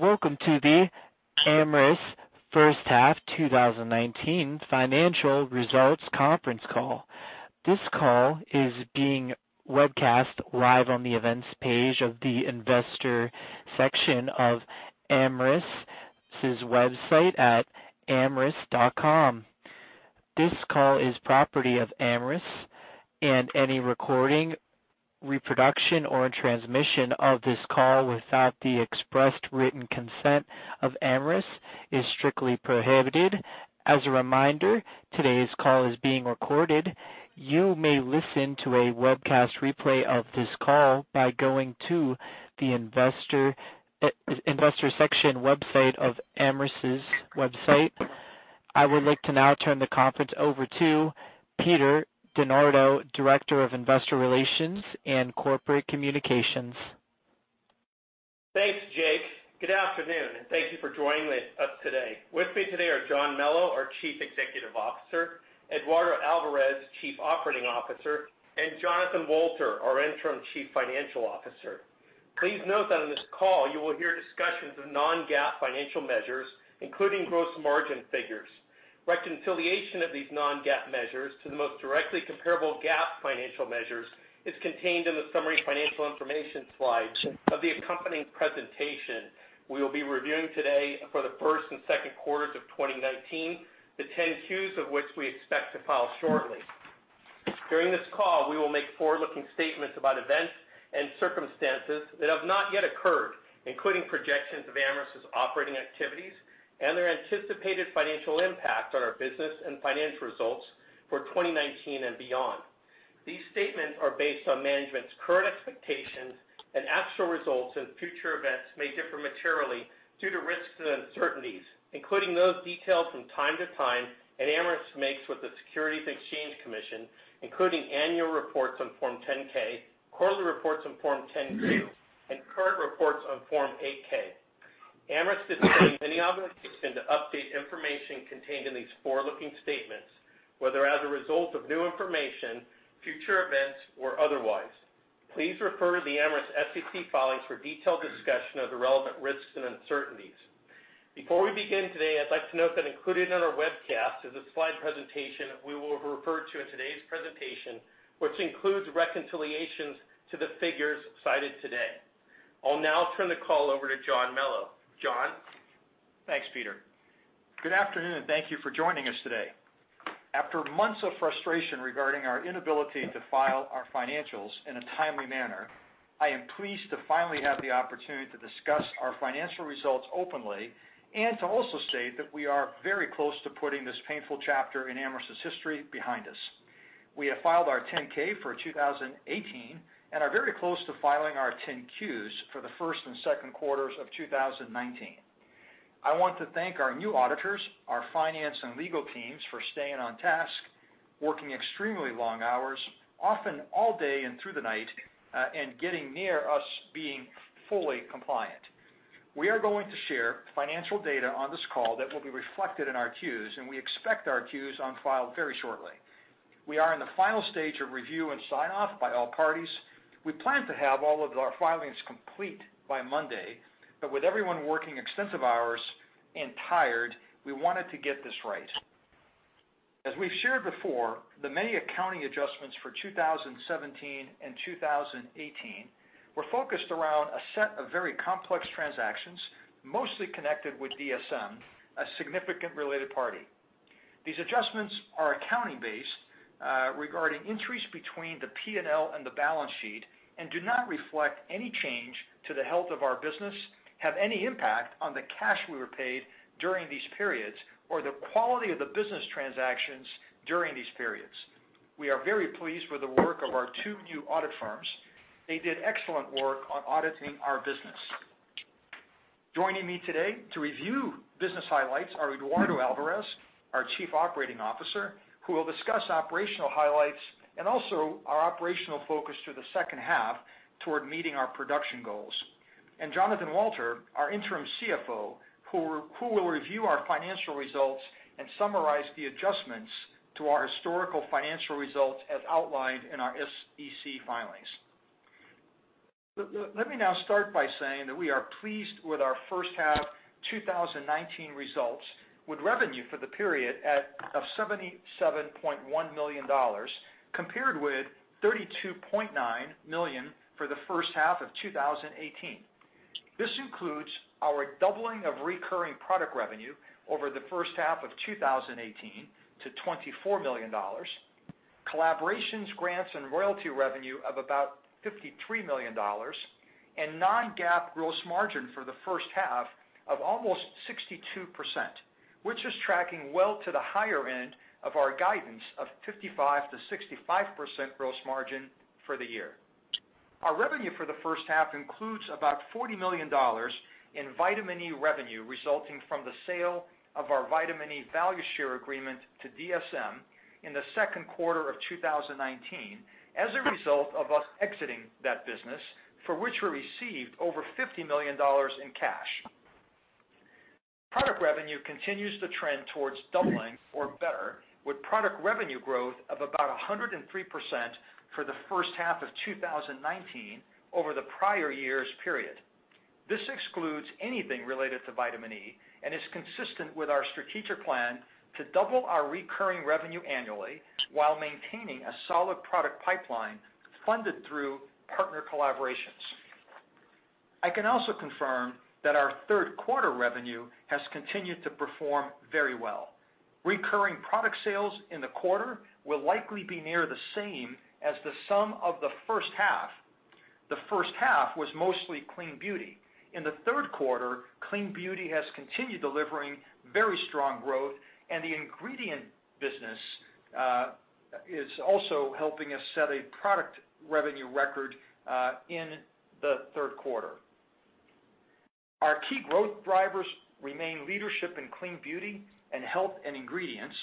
Welcome to the Amyris first half 2019 financial results conference call. This call is being webcast live on the events page of the Investor section of Amyris. This website is at Amyris.com. This call is property of Amyris, and any recording, reproduction, or transmission of this call without the express written consent of Amyris is strictly prohibited. As a reminder, today's call is being recorded. You may listen to a webcast replay of this call by going to the investor section of Amyris's website. I would like to now turn the conference over to Peter DeNardo, Director of Investor Relations and Corporate Communications. Thanks, Jake. Good afternoon, and thank you for joining us today. With me today are John Melo, our Chief Executive Officer; Eduardo Alvarez, Chief Operating Officer; and Jonathan Wolter, our Interim Chief Financial Officer. Please note that in this call you will hear discussions of non-GAAP financial measures, including gross margin figures. Reconciliation of these non-GAAP measures to the most directly comparable GAAP financial measures is contained in the summary financial information slide of the accompanying presentation. We will be reviewing today for the first and second quarters of 2019, the 10-Qs of which we expect to file shortly. During this call, we will make forward-looking statements about events and circumstances that have not yet occurred, including projections of Amyris's operating activities and their anticipated financial impact on our business and financial results for 2019 and beyond. These statements are based on management's current expectations, and actual results and future events may differ materially due to risks and uncertainties, including those detailed from time to time in the reports that Amyris files with the Securities and Exchange Commission, including annual reports on Form 10-K, quarterly reports on Form 10-Q, and current reports on Form 8-K. Amyris assumes no obligation to update information contained in these forward-looking statements, whether as a result of new information, future events, or otherwise. Please refer to the Amyris SEC filings for detailed discussion of the relevant risks and uncertainties. Before we begin today, I'd like to note that included in our webcast is a slide presentation we will refer to in today's presentation, which includes reconciliations to the figures cited today. I'll now turn the call over to John Melo. John? Thanks, Peter. Good afternoon, and thank you for joining us today. After months of frustration regarding our inability to file our financials in a timely manner, I am pleased to finally have the opportunity to discuss our financial results openly and to also state that we are very close to putting this painful chapter in Amyris's history behind us. We have filed our 10-K for 2018 and are very close to filing our 10-Qs for the first and second quarters of 2019. I want to thank our new auditors, our finance and legal teams for staying on task, working extremely long hours, often all day and through the night, and getting us near to being fully compliant. We are going to share financial data on this call that will be reflected in our Qs, and we expect our Qs filed very shortly. We are in the final stage of review and sign-off by all parties. We plan to have all of our filings complete by Monday, but with everyone working extensive hours and tired, we wanted to get this right. As we've shared before, the many accounting adjustments for 2017 and 2018 were focused around a set of very complex transactions, mostly connected with DSM, a significant related party. These adjustments are accounting-based regarding entries between the P&L and the balance sheet and do not reflect any change to the health of our business, have any impact on the cash we were paid during these periods, or the quality of the business transactions during these periods. We are very pleased with the work of our two new audit firms. They did excellent work on auditing our business. Joining me today to review business highlights are Eduardo Alvarez, our Chief Operating Officer, who will discuss operational highlights and also our operational focus to the second half toward meeting our production goals. And Jonathan Wolter, our Interim CFO, who will review our financial results and summarize the adjustments to our historical financial results as outlined in our SEC filings. Let me now start by saying that we are pleased with our first half 2019 results with revenue for the period of $77.1 million compared with $32.9 million for the first half of 2018. This includes our doubling of recurring product revenue over the first half of 2018 to $24 million, collaborations, grants, and royalty revenue of about $53 million, and non-GAAP gross margin for the first half of almost 62%, which is tracking well to the higher end of our guidance of 55%-65% gross margin for the year. Our revenue for the first half includes about $40 million in Vitamin E revenue resulting from the sale of our Vitamin E value share agreement to DSM in the second quarter of 2019 as a result of us exiting that business, for which we received over $50 million in cash. Product revenue continues to trend towards doubling or better, with product revenue growth of about 103% for the first half of 2019 over the prior year's period. This excludes anything related to Vitamin E and is consistent with our strategic plan to double our recurring revenue annually while maintaining a solid product pipeline funded through partner collaborations. I can also confirm that our third quarter revenue has continued to perform very well. Recurring product sales in the quarter will likely be near the same as the sum of the first half. The first half was mostly Clean Beauty. In the third quarter, Clean Beauty has continued delivering very strong growth, and the ingredient business is also helping us set a product revenue record in the third quarter. Our key growth drivers remain leadership in Clean Beauty and health and ingredients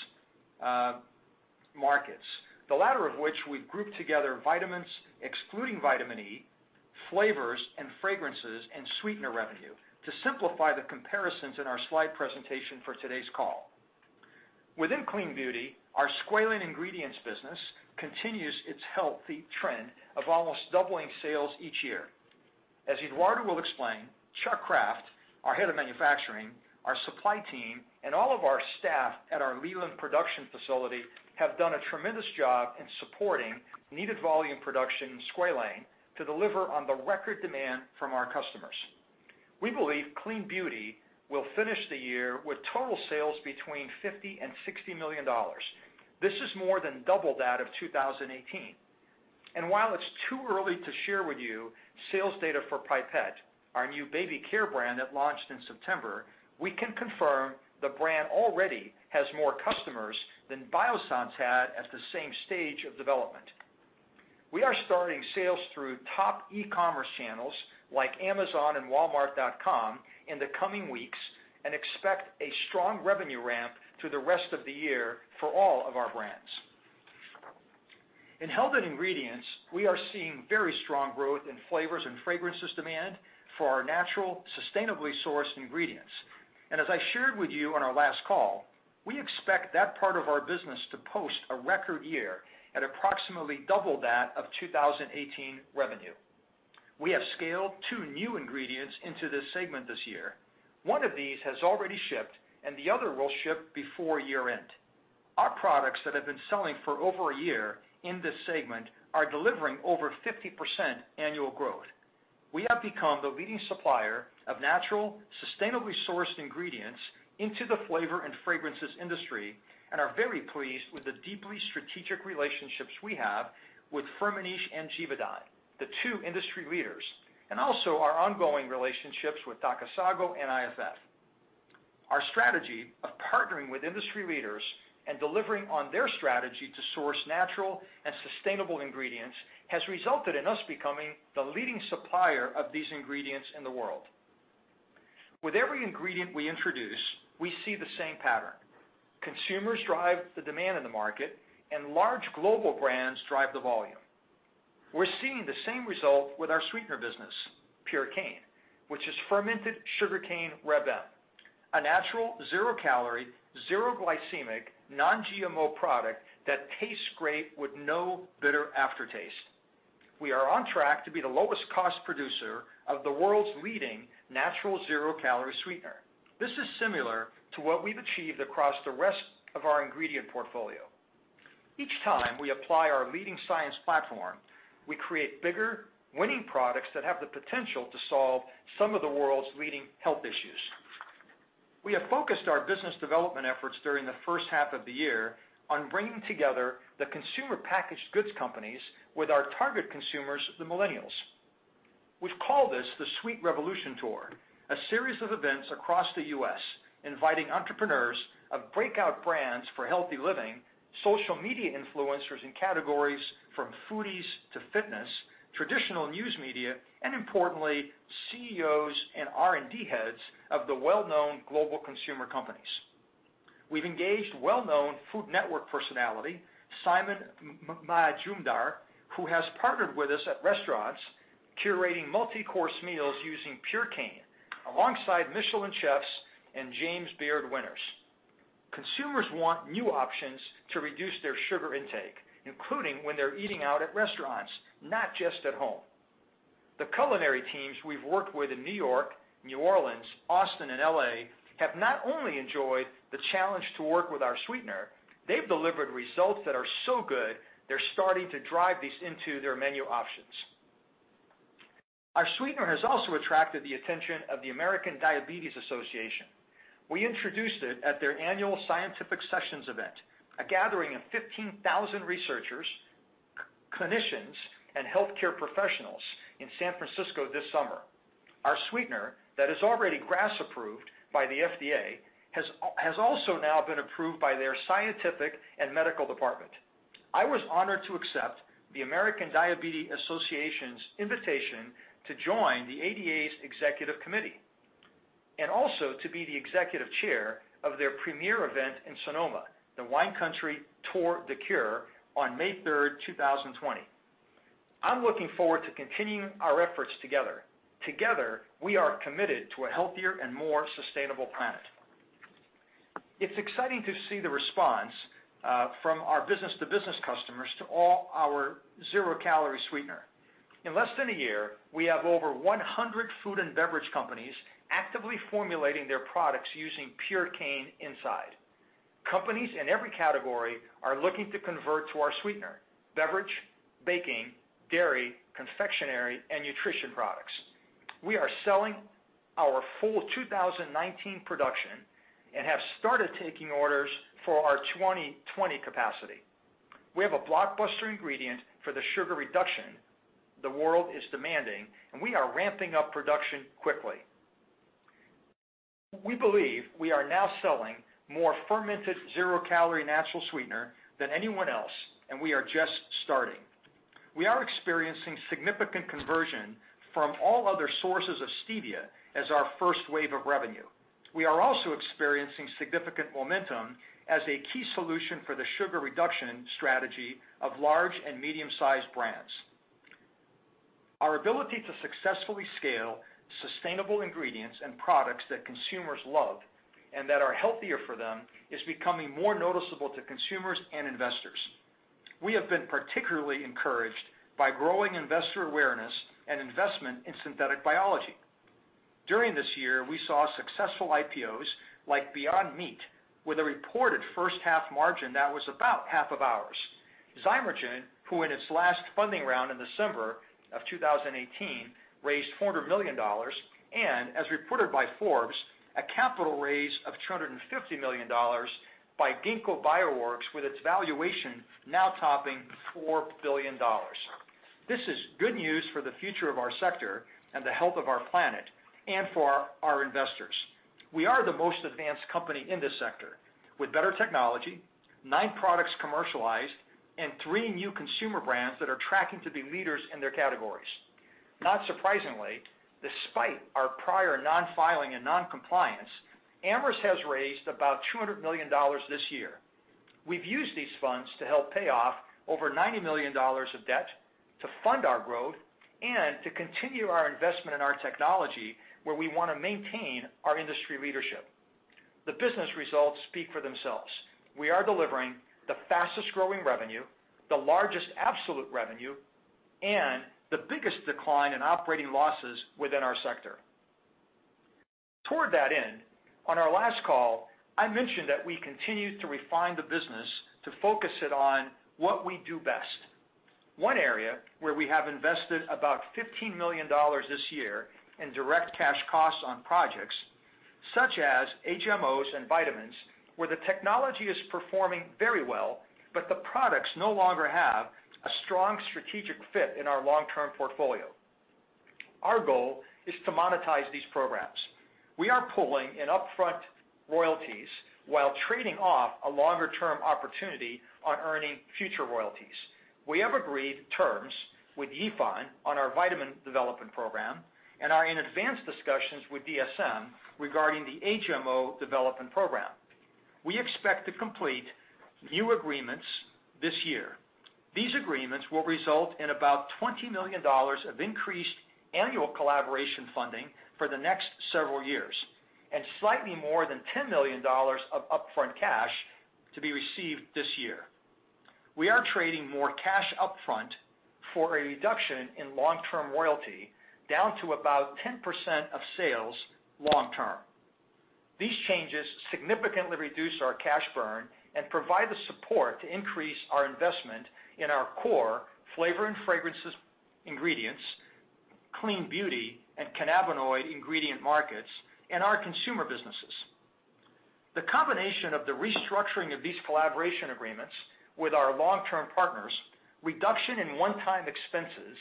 markets, the latter of which we've grouped together vitamins excluding Vitamin E, flavors and fragrances, and sweetener revenue to simplify the comparisons in our slide presentation for today's call. Within Clean Beauty, our Squalane ingredients business continues its healthy trend of almost doubling sales each year. As Eduardo will explain, Chuck Kraft, our Head of Manufacturing, our supply team, and all of our staff at our Leland production facility have done a tremendous job in supporting needed volume production in Squalane to deliver on the record demand from our customers. We believe Clean Beauty will finish the year with total sales between $50 and $60 million. This is more than double that of 2018, and while it's too early to share with you sales data for Pipette, our new baby care brand that launched in September, we can confirm the brand already has more customers than Biossance had at the same stage of development. We are starting sales through top e-commerce channels like Amazon and Walmart.com in the coming weeks and expect a strong revenue ramp through the rest of the year for all of our brands. In health and ingredients, we are seeing very strong growth in flavors and fragrances demand for our natural, sustainably sourced ingredients, and as I shared with you on our last call, we expect that part of our business to post a record year at approximately double that of 2018 revenue. We have scaled two new ingredients into this segment this year. One of these has already shipped, and the other will ship before year-end. Our products that have been selling for over a year in this segment are delivering over 50% annual growth. We have become the leading supplier of natural, sustainably sourced ingredients into the flavor and fragrances industry and are very pleased with the deeply strategic relationships we have with Firmenich and Givaudan, the two industry leaders, and also our ongoing relationships with Takasago and IFF. Our strategy of partnering with industry leaders and delivering on their strategy to source natural and sustainable ingredients has resulted in us becoming the leading supplier of these ingredients in the world. With every ingredient we introduce, we see the same pattern. Consumers drive the demand in the market, and large global brands drive the volume. We're seeing the same result with our sweetener business, Purecane, which is fermented sugarcane Reb-M, a natural zero-calorie, zero-glycemic, non-GMO product that tastes great with no bitter aftertaste. We are on track to be the lowest-cost producer of the world's leading natural zero-calorie sweetener. This is similar to what we've achieved across the rest of our ingredient portfolio. Each time we apply our leading science platform, we create bigger, winning products that have the potential to solve some of the world's leading health issues. We have focused our business development efforts during the first half of the year on bringing together the consumer packaged goods companies with our target consumers, the millennials. We've called this the Sweet Revolution Tour, a series of events across the U.S. inviting entrepreneurs of breakout brands for healthy living, social media influencers in categories from foodies to fitness, traditional news media, and importantly, CEOs and R&D heads of the well-known global consumer companies. We've engaged well-known Food Network personality, Simon Majumdar, who has partnered with us at restaurants, curating multi-course meals using Purecane alongside Michelin chefs and James Beard winners. Consumers want new options to reduce their sugar intake, including when they're eating out at restaurants, not just at home. The culinary teams we've worked with in New York, New Orleans, Austin, and LA have not only enjoyed the challenge to work with our sweetener, they've delivered results that are so good they're starting to drive these into their menu options. Our sweetener has also attracted the attention of the American Diabetes Association. We introduced it at their annual scientific sessions event, a gathering of 15,000 researchers, clinicians, and healthcare professionals in San Francisco this summer. Our sweetener that is already GRAS-approved by the FDA has also now been approved by their scientific and medical department. I was honored to accept the American Diabetes Association's invitation to join the ADA's executive committee and also to be the executive chair of their premier event in Sonoma, the Wine Country Tour de Cure on May 3rd, 2020. I'm looking forward to continuing our efforts together. Together, we are committed to a healthier and more sustainable planet. It's exciting to see the response from our business-to-business customers to all our zero-calorie sweetener. In less than a year, we have over 100 food and beverage companies actively formulating their products using Purecane inside. Companies in every category are looking to convert to our sweetener, beverage, baking, dairy, confectionery, and nutrition products. We are selling our full 2019 production and have started taking orders for our 2020 capacity. We have a blockbuster ingredient for the sugar reduction the world is demanding, and we are ramping up production quickly. We believe we are now selling more fermented zero-calorie natural sweetener than anyone else, and we are just starting. We are experiencing significant conversion from all other sources of stevia as our first wave of revenue. We are also experiencing significant momentum as a key solution for the sugar reduction strategy of large and medium-sized brands. Our ability to successfully scale sustainable ingredients and products that consumers love and that are healthier for them is becoming more noticeable to consumers and investors. We have been particularly encouraged by growing investor awareness and investment in synthetic biology. During this year, we saw successful IPOs like Beyond Meat with a reported first half margin that was about half of ours. Zymergen, who in its last funding round in December of 2018 raised $400 million, and as reported by Forbes, a capital raise of $250 million by Ginkgo Bioworks with its valuation now topping $4 billion. This is good news for the future of our sector and the health of our planet and for our investors. We are the most advanced company in this sector with better technology, nine products commercialized, and three new consumer brands that are tracking to be leaders in their categories. Not surprisingly, despite our prior non-filing and non-compliance, Amyris has raised about $200 million this year. We've used these funds to help pay off over $90 million of debt to fund our growth and to continue our investment in our technology where we want to maintain our industry leadership. The business results speak for themselves. We are delivering the fastest growing revenue, the largest absolute revenue, and the biggest decline in operating losses within our sector. Toward that end, on our last call, I mentioned that we continue to refine the business to focus it on what we do best. One area where we have invested about $15 million this year in direct cash costs on projects such as HMOs and vitamins where the technology is performing very well, but the products no longer have a strong strategic fit in our long-term portfolio. Our goal is to monetize these programs. We are pulling in upfront royalties while trading off a longer-term opportunity on earning future royalties. We have agreed terms with Yifan on our vitamin development program and are in advanced discussions with DSM regarding the HMO development program. We expect to complete new agreements this year. These agreements will result in about $20 million of increased annual collaboration funding for the next several years and slightly more than $10 million of upfront cash to be received this year. We are trading more cash upfront for a reduction in long-term royalty down to about 10% of sales long-term. These changes significantly reduce our cash burn and provide the support to increase our investment in our core flavor and fragrances ingredients, Clean Beauty, and cannabinoid ingredient markets in our consumer businesses. The combination of the restructuring of these collaboration agreements with our long-term partners, reduction in one-time expenses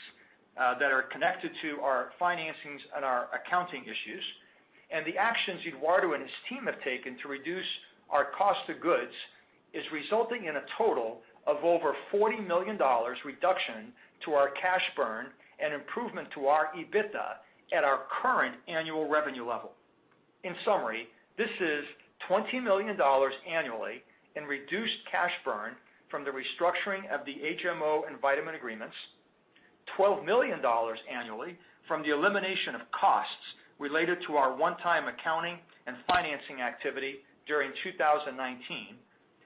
that are connected to our financings and our accounting issues, and the actions Eduardo and his team have taken to reduce our cost of goods is resulting in a total of over $40 million reduction to our cash burn and improvement to our EBITDA at our current annual revenue level. In summary, this is $20 million annually in reduced cash burn from the restructuring of the HMO and vitamin agreements, $12 million annually from the elimination of costs related to our one-time accounting and financing activity during 2019,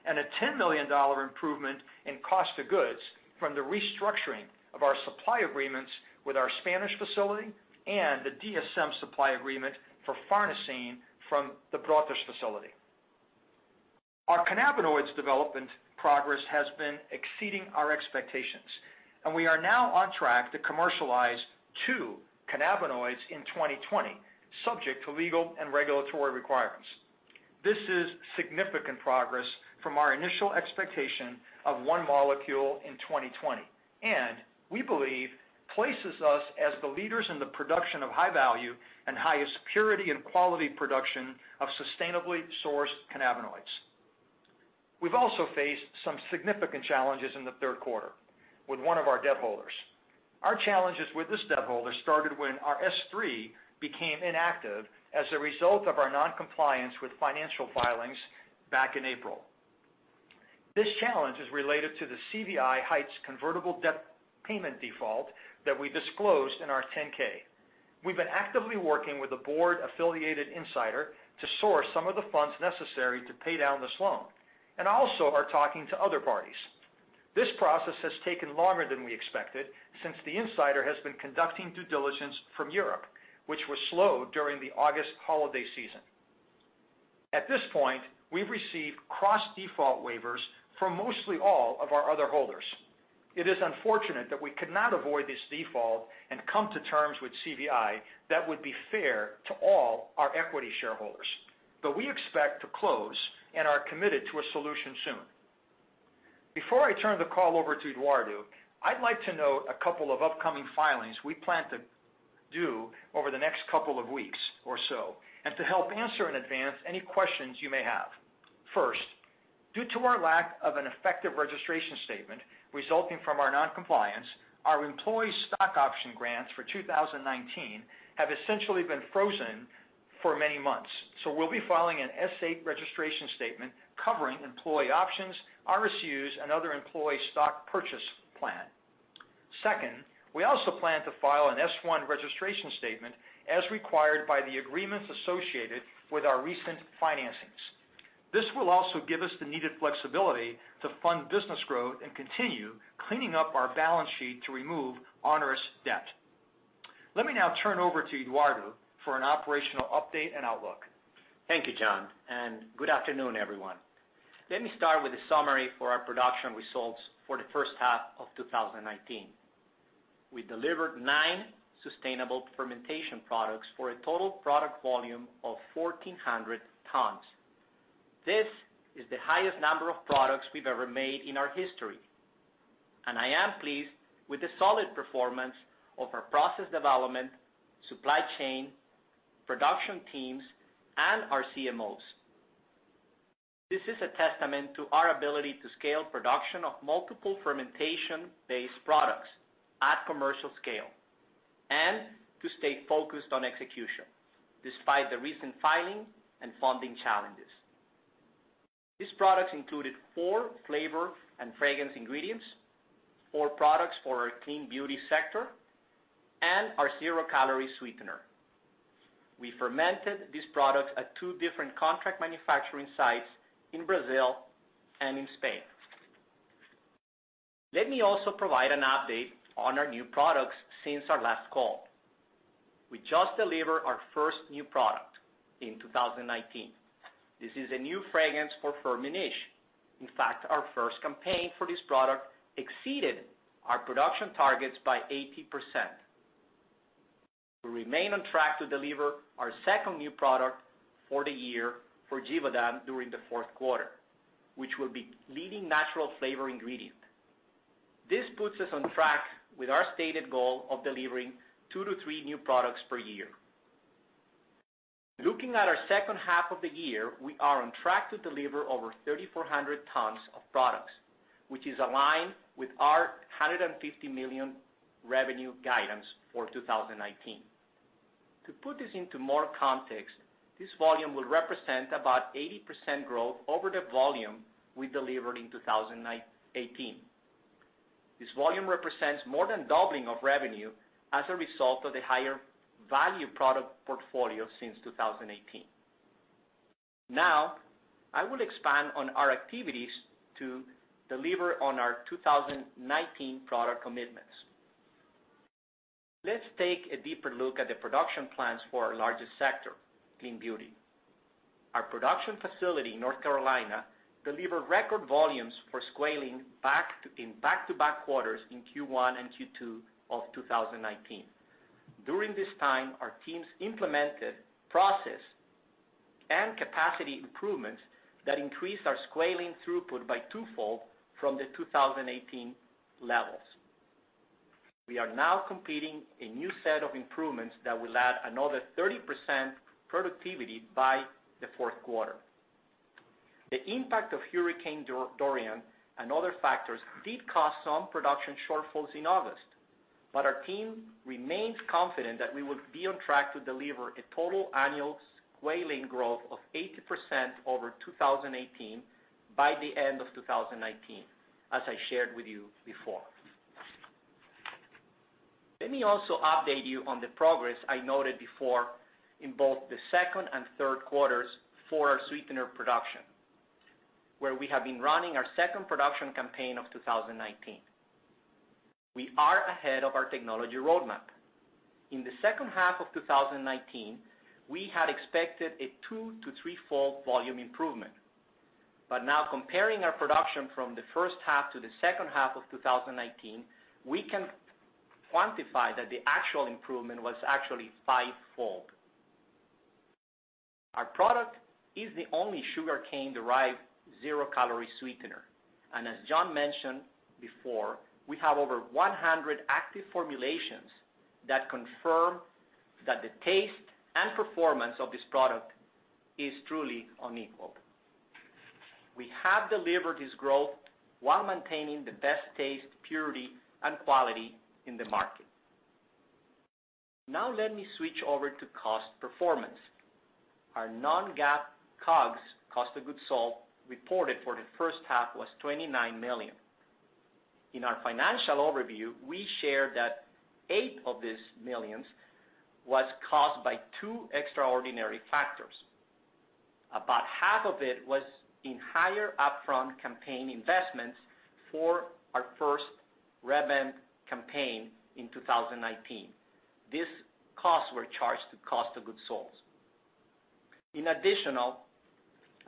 and a $10 million improvement in cost of goods from the restructuring of our supply agreements with our Spanish facility and the DSM supply agreement for Farnesene from the Brotas facility. Our cannabinoids development progress has been exceeding our expectations, and we are now on track to commercialize two cannabinoids in 2020, subject to legal and regulatory requirements. This is significant progress from our initial expectation of one molecule in 2020, and we believe places us as the leaders in the production of high-value and highest purity and quality production of sustainably sourced cannabinoids. We've also faced some significant challenges in the third quarter with one of our debt holders. Our challenges with this debt holder started when our S-3 became inactive as a result of our non-compliance with financial filings back in April. This challenge is related to the CVI Heights convertible debt payment default that we disclosed in our 10-K. We've been actively working with a board-affiliated insider to source some of the funds necessary to pay down this loan and also are talking to other parties. This process has taken longer than we expected since the insider has been conducting due diligence from Europe, which was slow during the August holiday season. At this point, we've received cross-default waivers from mostly all of our other holders. It is unfortunate that we could not avoid this default and come to terms with CVI that would be fair to all our equity shareholders, but we expect to close and are committed to a solution soon. Before I turn the call over to Eduardo, I'd like to note a couple of upcoming filings we plan to do over the next couple of weeks or so and to help answer in advance any questions you may have. First, due to our lack of an effective registration statement resulting from our non-compliance, our employee stock option grants for 2019 have essentially been frozen for many months, so we'll be filing an S-8 registration statement covering employee options, RSUs, and other employee stock purchase plan. Second, we also plan to file an S-1 registration statement as required by the agreements associated with our recent financings. This will also give us the needed flexibility to fund business growth and continue cleaning up our balance sheet to remove onerous debt. Let me now turn over to Eduardo for an operational update and outlook. Thank you, John, and good afternoon, everyone. Let me start with a summary for our production results for the first half of 2019. We delivered nine sustainable fermentation products for a total product volume of 1,400 tons. This is the highest number of products we've ever made in our history, and I am pleased with the solid performance of our process development, supply chain, production teams, and our CMOs. This is a testament to our ability to scale production of multiple fermentation-based products at commercial scale and to stay focused on execution despite the recent filing and funding challenges. These products included four flavor and fragrance ingredients, four products for our Clean Beauty sector, and our zero-calorie sweetener. We fermented these products at two different contract manufacturing sites in Brazil and in Spain. Let me also provide an update on our new products since our last call. We just delivered our first new product in 2019. This is a new fragrance for Firmenich. In fact, our first campaign for this product exceeded our production targets by 80%. We remain on track to deliver our second new product for the year for Givaudan during the fourth quarter, which will be leading natural flavor ingredient. This puts us on track with our stated goal of delivering two to three new products per year. Looking at our second half of the year, we are on track to deliver over 3,400 tons of products, which is aligned with our $150 million revenue guidance for 2019. To put this into more context, this volume will represent about 80% growth over the volume we delivered in 2018. This volume represents more than doubling of revenue as a result of the higher value product portfolio since 2018. Now, I will expand on our activities to deliver on our 2019 product commitments. Let's take a deeper look at the production plans for our largest sector, Clean Beauty. Our production facility in North Carolina delivered record volumes for Squalane in back-to-back quarters in Q1 and Q2 of 2019. During this time, our teams implemented process and capacity improvements that increased our Squalane throughput by twofold from the 2018 levels. We are now completing a new set of improvements that will add another 30% productivity by the fourth quarter. The impact of Hurricane Dorian and other factors did cause some production shortfalls in August, but our team remains confident that we will be on track to deliver a total annual Squalane growth of 80% over 2018 by the end of 2019, as I shared with you before. Let me also update you on the progress I noted before in both the second and third quarters for our sweetener production, where we have been running our second production campaign of 2019. We are ahead of our technology roadmap. In the second half of 2019, we had expected a two to threefold volume improvement, but now comparing our production from the first half to the second half of 2019, we can quantify that the actual improvement was actually fivefold. Our product is the only sugarcane-derived zero-calorie sweetener, and as John mentioned before, we have over 100 active formulations that confirm that the taste and performance of this product is truly unequaled. We have delivered this growth while maintaining the best taste, purity, and quality in the market. Now, let me switch over to cost performance. Our non-GAAP COGS, cost of goods sold, reported for the first half was $29 million. In our financial overview, we shared that eight of these millions was caused by two extraordinary factors. About half of it was in higher upfront campaign investments for our first revamp campaign in 2019. These costs were charged to cost of goods sold. In addition,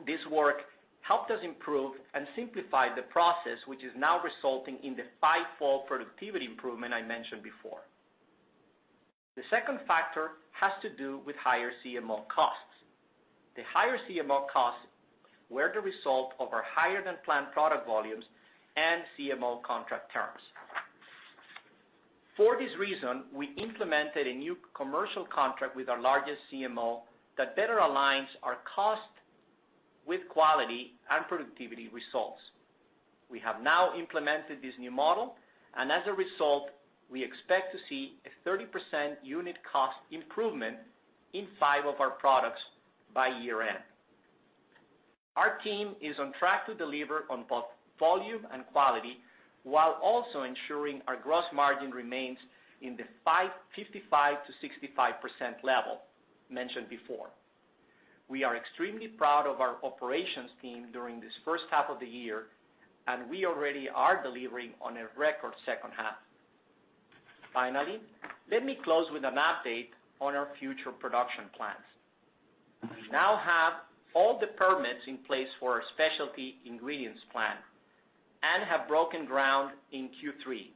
this work helped us improve and simplify the process, which is now resulting in the fivefold productivity improvement I mentioned before. The second factor has to do with higher CMO costs. The higher CMO costs were the result of our higher-than-planned product volumes and CMO contract terms. For this reason, we implemented a new commercial contract with our largest CMO that better aligns our cost with quality and productivity results. We have now implemented this new model, and as a result, we expect to see a 30% unit cost improvement in five of our products by year-end. Our team is on track to deliver on both volume and quality while also ensuring our gross margin remains in the 55%-65% level mentioned before. We are extremely proud of our operations team during this first half of the year, and we already are delivering on a record second half. Finally, let me close with an update on our future production plans. We now have all the permits in place for our specialty ingredients plant and have broken ground in Q3.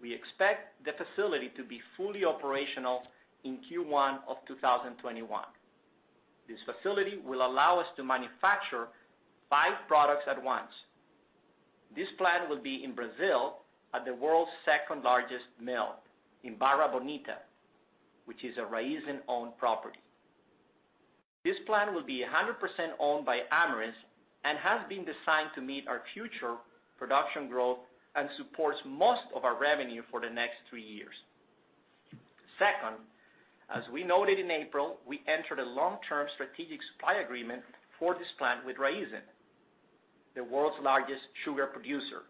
We expect the facility to be fully operational in Q1 of 2021. This facility will allow us to manufacture five products at once. This plant will be in Brazil at the world's second-largest mill in Barra Bonita, which is a Raízen-owned property. This plant will be 100% owned by Amyris and has been designed to meet our future production growth and supports most of our revenue for the next three years. Second, as we noted in April, we entered a long-term strategic supply agreement for this plant with Raízen, the world's largest sugar producer,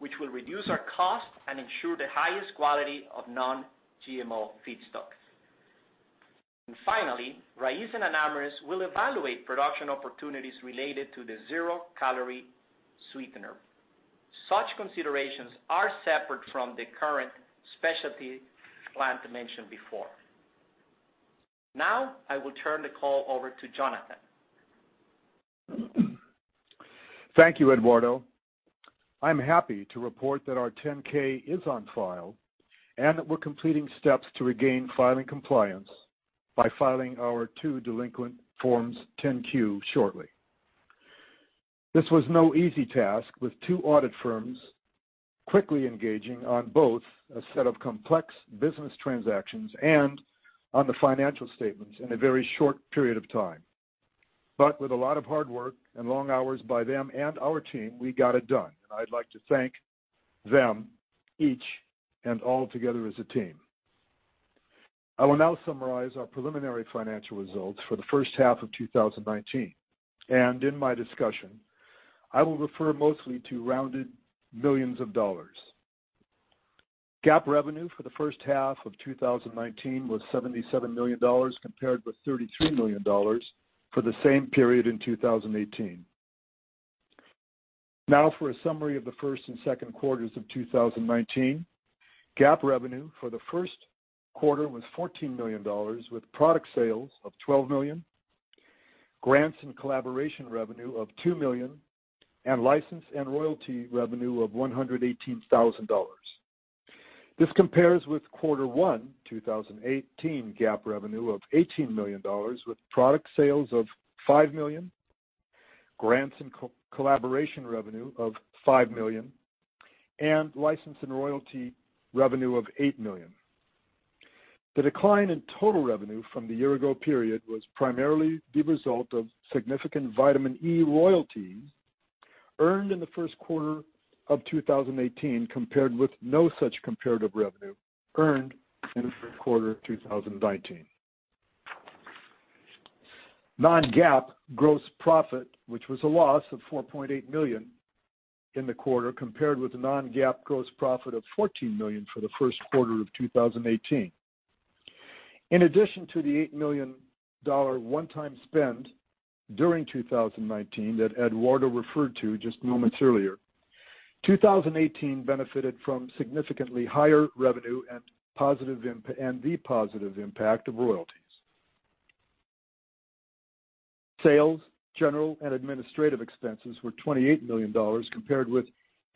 which will reduce our cost and ensure the highest quality of non-GMO feedstocks. And finally, Raízen and Amyris will evaluate production opportunities related to the zero-calorie sweetener. Such considerations are separate from the current specialty plant mentioned before. Now, I will turn the call over to Jonathan. Thank you, Eduardo. I'm happy to report that our 10-K is on file and that we're completing steps to regain filing compliance by filing our two delinquent forms 10-Q shortly. This was no easy task with two audit firms quickly engaging on both a set of complex business transactions and on the financial statements in a very short period of time. But with a lot of hard work and long hours by them and our team, we got it done, and I'd like to thank them each and all together as a team. I will now summarize our preliminary financial results for the first half of 2019, and in my discussion, I will refer mostly to rounded millions of dollars. GAAP revenue for the first half of 2019 was $77 million compared with $33 million for the same period in 2018. Now, for a summary of the first and second quarters of 2019, GAAP revenue for the first quarter was $14 million with product sales of $12 million, grants and collaboration revenue of $2 million, and license and royalty revenue of $118,000. This compares with quarter one, 2018, GAAP revenue of $18 million with product sales of $5 million, grants and collaboration revenue of $5 million, and license and royalty revenue of $8 million. The decline in total revenue from the year-ago period was primarily the result of significant Vitamin E royalties earned in the first quarter of 2018 compared with no such comparative revenue earned in the third quarter of 2019. Non-GAAP gross profit, which was a loss of $4.8 million in the quarter, compared with a non-GAAP gross profit of $14 million for the first quarter of 2018. In addition to the $8 million one-time spend during 2019 that Eduardo referred to just moments earlier, 2018 benefited from significantly higher revenue and the positive impact of royalties. Sales, general, and administrative expenses were $28 million compared with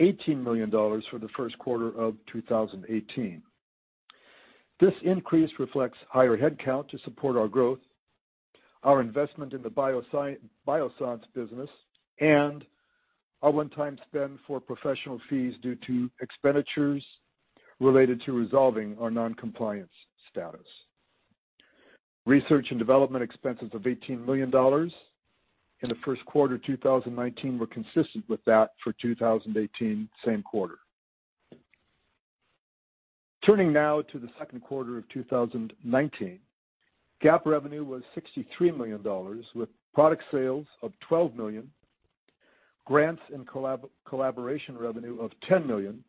$18 million for the first quarter of 2018. This increase reflects higher headcount to support our growth, our investment in the Biossance business, and our one-time spend for professional fees due to expenditures related to resolving our non-compliance status. Research and development expenses of $18 million in the first quarter of 2019 were consistent with that for 2018, same quarter. Turning now to the second quarter of 2019, GAAP revenue was $63 million with product sales of $12 million, grants and collaboration revenue of $10 million,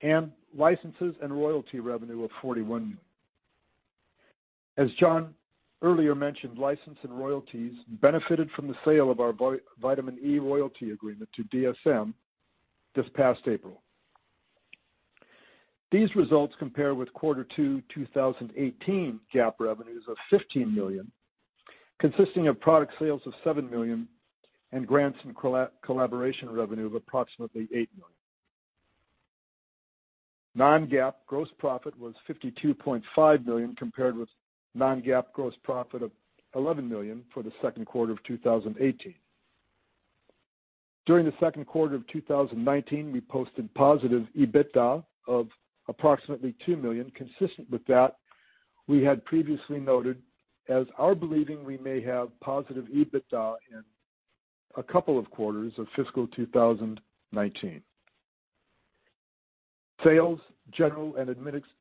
and licenses and royalty revenue of $41 million. As John earlier mentioned, license and royalties benefited from the sale of our Vitamin E royalty agreement to DSM this past April. These results compare with quarter two 2018 GAAP revenues of $15 million, consisting of product sales of $7 million and grants and collaboration revenue of approximately $8 million. Non-GAAP gross profit was $52.5 million compared with non-GAAP gross profit of $11 million for the second quarter of 2018. During the second quarter of 2019, we posted positive EBITDA of approximately $2 million, consistent with what we had previously noted, as we were believing we may have positive EBITDA in a couple of quarters of fiscal 2019. Sales, general, and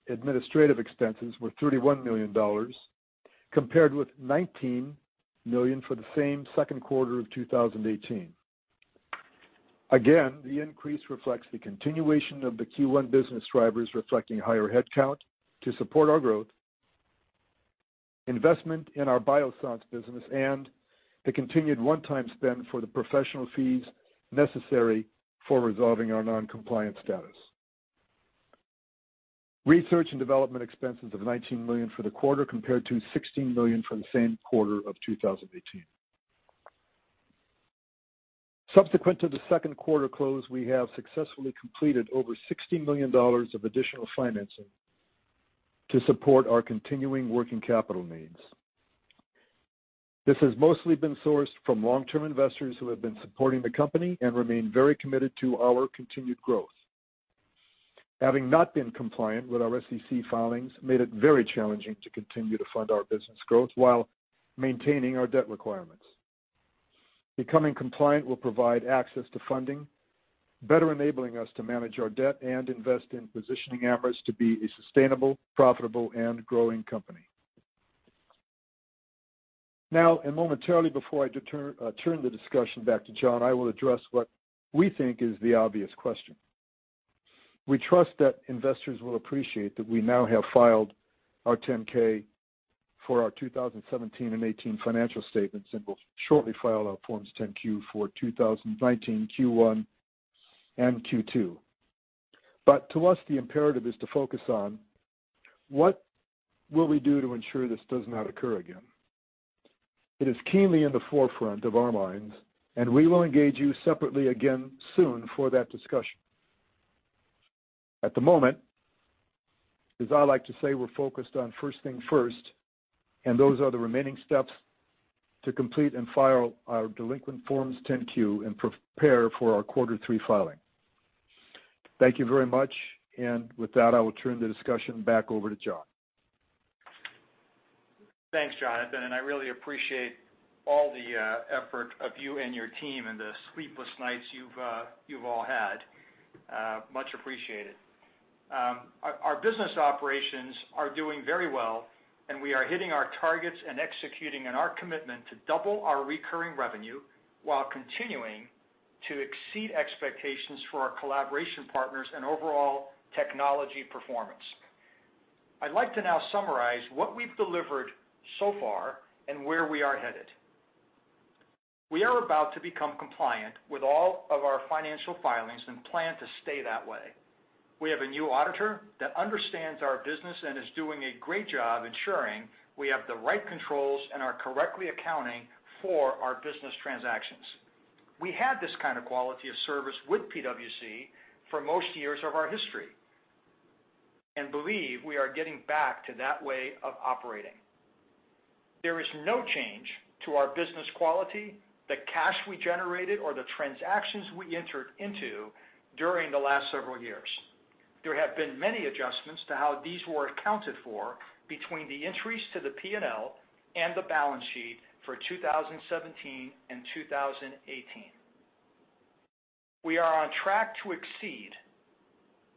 administrative expenses were $31 million compared with $19 million for the same second quarter of 2018. Again, the increase reflects the continuation of the Q1 business drivers reflecting higher headcount to support our growth, investment in our Biossance business, and the continued one-time spend for the professional fees necessary for resolving our non-compliance status. Research and development expenses of $19 million for the quarter compared to $16 million for the same quarter of 2018. Subsequent to the second quarter close, we have successfully completed over $60 million of additional financing to support our continuing working capital needs. This has mostly been sourced from long-term investors who have been supporting the company and remain very committed to our continued growth. Having not been compliant with our SEC filings made it very challenging to continue to fund our business growth while maintaining our debt requirements. Becoming compliant will provide access to funding, better enabling us to manage our debt and invest in positioning Amyris to be a sustainable, profitable, and growing company. Now, and momentarily before I turn the discussion back to John, I will address what we think is the obvious question. We trust that investors will appreciate that we now have filed our 10-K for our 2017 and 2018 financial statements and will shortly file our forms 10-Q for 2019 Q1 and Q2. But to us, the imperative is to focus on what will we do to ensure this does not occur again. It is keenly in the forefront of our minds, and we will engage you separately again soon for that discussion. At the moment, as I like to say, we're focused on first thing first, and those are the remaining steps to complete and file our delinquent forms 10-Q and prepare for our quarter three filing. Thank you very much, and with that, I will turn the discussion back over to John. Thanks, Jonathan, and I really appreciate all the effort of you and your team and the sleepless nights you've all had. Much appreciated. Our business operations are doing very well, and we are hitting our targets and executing on our commitment to double our recurring revenue while continuing to exceed expectations for our collaboration partners and overall technology performance. I'd like to now summarize what we've delivered so far and where we are headed. We are about to become compliant with all of our financial filings and plan to stay that way. We have a new auditor that understands our business and is doing a great job ensuring we have the right controls and are correctly accounting for our business transactions. We had this kind of quality of service with PwC for most years of our history and believe we are getting back to that way of operating. There is no change to our business quality, the cash we generated, or the transactions we entered into during the last several years. There have been many adjustments to how these were accounted for between the entries to the P&L and the balance sheet for 2017 and 2018. We are on track to exceed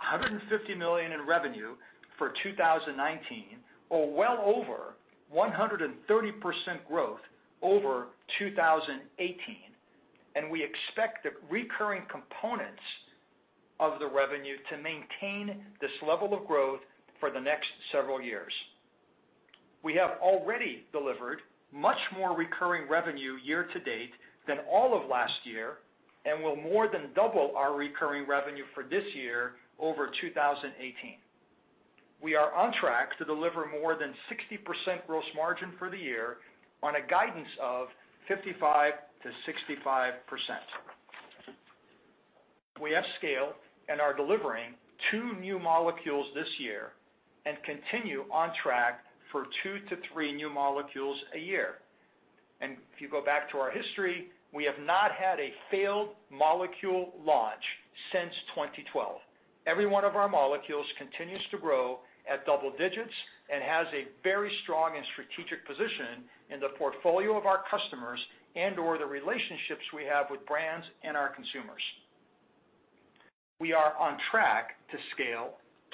$150 million in revenue for 2019 or well over 130% growth over 2018, and we expect the recurring components of the revenue to maintain this level of growth for the next several years. We have already delivered much more recurring revenue year-to-date than all of last year and will more than double our recurring revenue for this year over 2018. We are on track to deliver more than 60% gross margin for the year on a guidance of 55%-65%. We have scaled and are delivering two new molecules this year and continue on track for two to three new molecules a year, and if you go back to our history, we have not had a failed molecule launch since 2012. Every one of our molecules continues to grow at double digits and has a very strong and strategic position in the portfolio of our customers and/or the relationships we have with brands and our consumers. We are on track to scale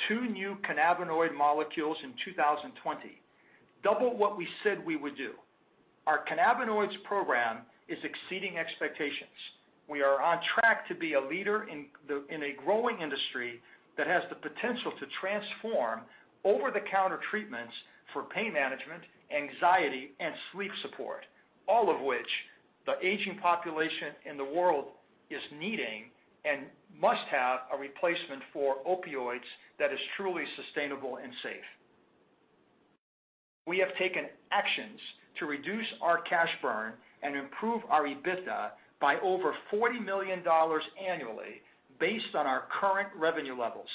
two new cannabinoid molecules in 2020, double what we said we would do. Our cannabinoids program is exceeding expectations. We are on track to be a leader in a growing industry that has the potential to transform over-the-counter treatments for pain management, anxiety, and sleep support, all of which the aging population in the world is needing and must have a replacement for opioids that is truly sustainable and safe. We have taken actions to reduce our cash burn and improve our EBITDA by over $40 million annually based on our current revenue levels.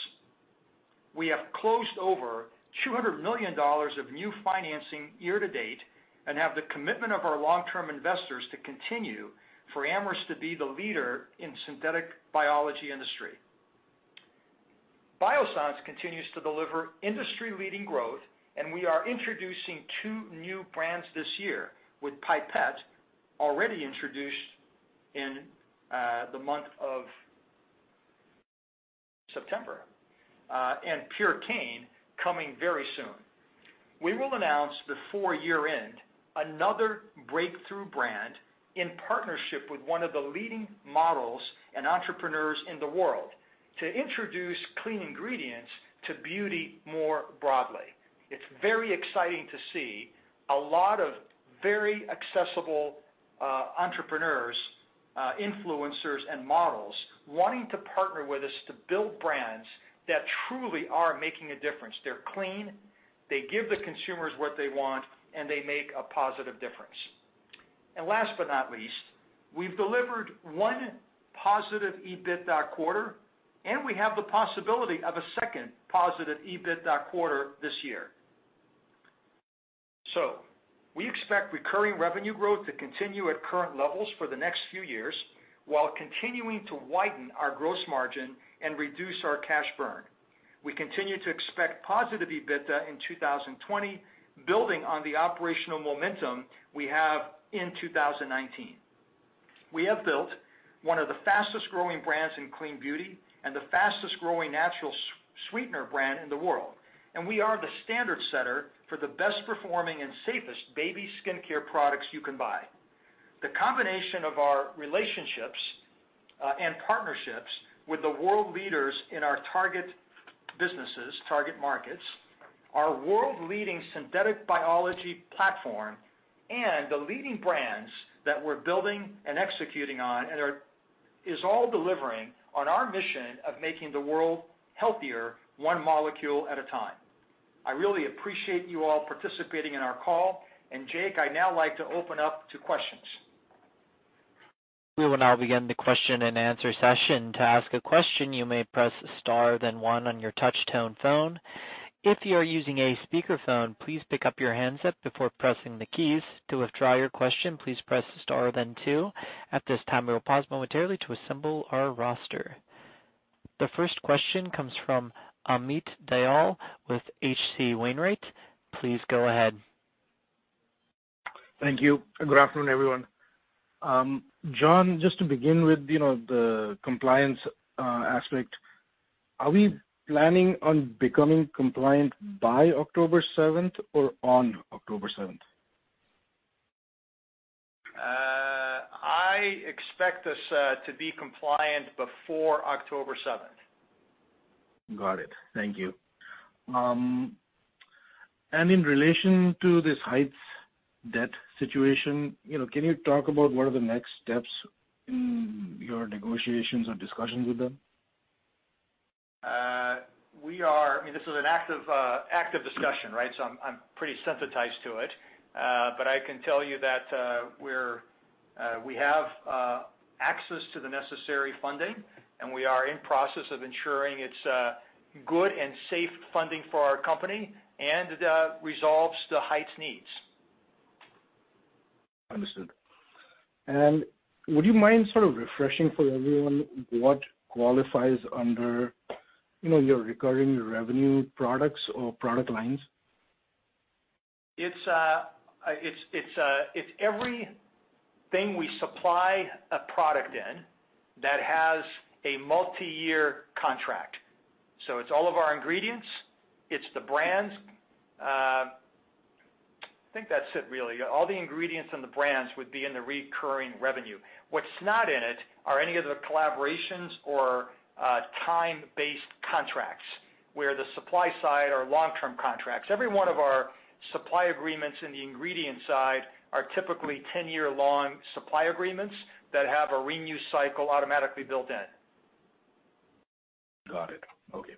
We have closed over $200 million of new financing year-to-date and have the commitment of our long-term investors to continue for Amyris to be the leader in the synthetic biology industry. Biossance continues to deliver industry-leading growth, and we are introducing two new brands this year, with Pipette already introduced in the month of September and Purecane coming very soon. We will announce before year-end another breakthrough brand in partnership with one of the leading models and entrepreneurs in the world to introduce clean ingredients to beauty more broadly. It's very exciting to see a lot of very accessible entrepreneurs, influencers, and models wanting to partner with us to build brands that truly are making a difference. They're clean, they give the consumers what they want, and they make a positive difference. And last but not least, we've delivered one positive EBITDA quarter, and we have the possibility of a second positive EBITDA quarter this year. So we expect recurring revenue growth to continue at current levels for the next few years while continuing to widen our gross margin and reduce our cash burn. We continue to expect positive EBITDA in 2020, building on the operational momentum we have in 2019. We have built one of the fastest-growing brands in Clean Beauty and the fastest-growing natural sweetener brand in the world, and we are the standard setter for the best-performing and safest baby skincare products you can buy. The combination of our relationships and partnerships with the world leaders in our target businesses, target markets, our world-leading synthetic biology platform, and the leading brands that we're building and executing on is all delivering on our mission of making the world healthier one molecule at a time. I really appreciate you all participating in our call, and Jake, I'd now like to open up to questions. We will now begin the question-and-answer session. To ask a question, you may press star then one on your touch-tone phone. If you are using a speakerphone, please pick up your handset before pressing the keys. To withdraw your question, please press star then two. At this time, we will pause momentarily to assemble our roster. The first question comes from Amit Dayal with H.C. Wainwright. Please go ahead. Thank you. Good afternoon, everyone. John, just to begin with the compliance aspect, are we planning on becoming compliant by October 7th or on October 7th? I expect us to be compliant before October 7th. Got it. Thank you. And in relation to this high debt situation, can you talk about what are the next steps in your negotiations or discussions with them? I mean, this is an active discussion, right? So I'm pretty sensitized to it. But I can tell you that we have access to the necessary funding, and we are in process of ensuring it's good and safe funding for our company and resolves the Heights' needs. Understood. And would you mind sort of refreshing for everyone what qualifies under your recurring revenue products or product lines? It's everything we supply a product in that has a multi-year contract. So it's all of our ingredients. It's the brands. I think that's it, really. All the ingredients and the brands would be in the recurring revenue. What's not in it are any of the collaborations or time-based contracts where the supply side are long-term contracts. Every one of our supply agreements in the ingredient side are typically 10-year-long supply agreements that have a renew cycle automatically built in. Got it. Okay.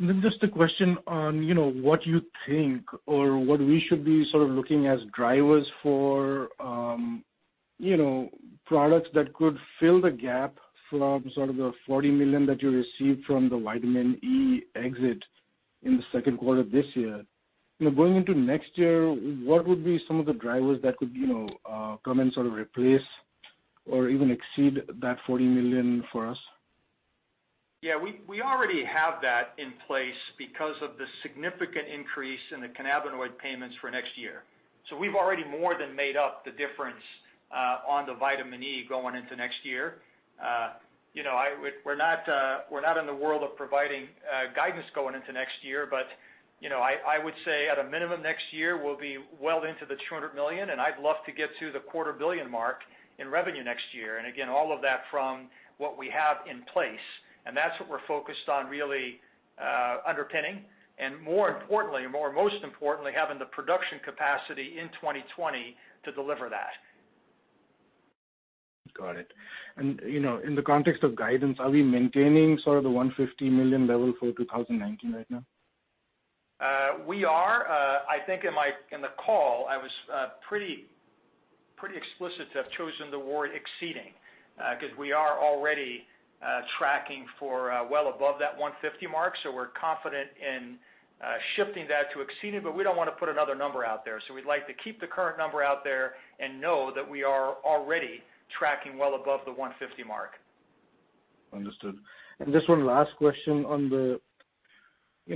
Then just a question on what you think or what we should be sort of looking as drivers for products that could fill the gap from sort of the $40 million that you received from the Vitamin E exit in the second quarter this year. Going into next year, what would be some of the drivers that could come and sort of replace or even exceed that $40 million for us? Yeah. We already have that in place because of the significant increase in the cannabinoid payments for next year. So we've already more than made up the difference on the Vitamin E going into next year. We're not in the world of providing guidance going into next year, but I would say at a minimum next year we'll be well into the $200 million, and I'd love to get to the $250 million mark in revenue next year. And again, all of that from what we have in place, and that's what we're focused on really underpinning. And more importantly, or most importantly, having the production capacity in 2020 to deliver that. Got it. And in the context of guidance, are we maintaining sort of the $150 million level for 2019 right now? We are. I think in the call, I was pretty explicit to have chosen the word exceeding because we are already tracking for well above that $150 mark. So we're confident in shifting that to exceeding, but we don't want to put another number out there. So we'd like to keep the current number out there and know that we are already tracking well above the $150 mark. Understood. And just one last question on the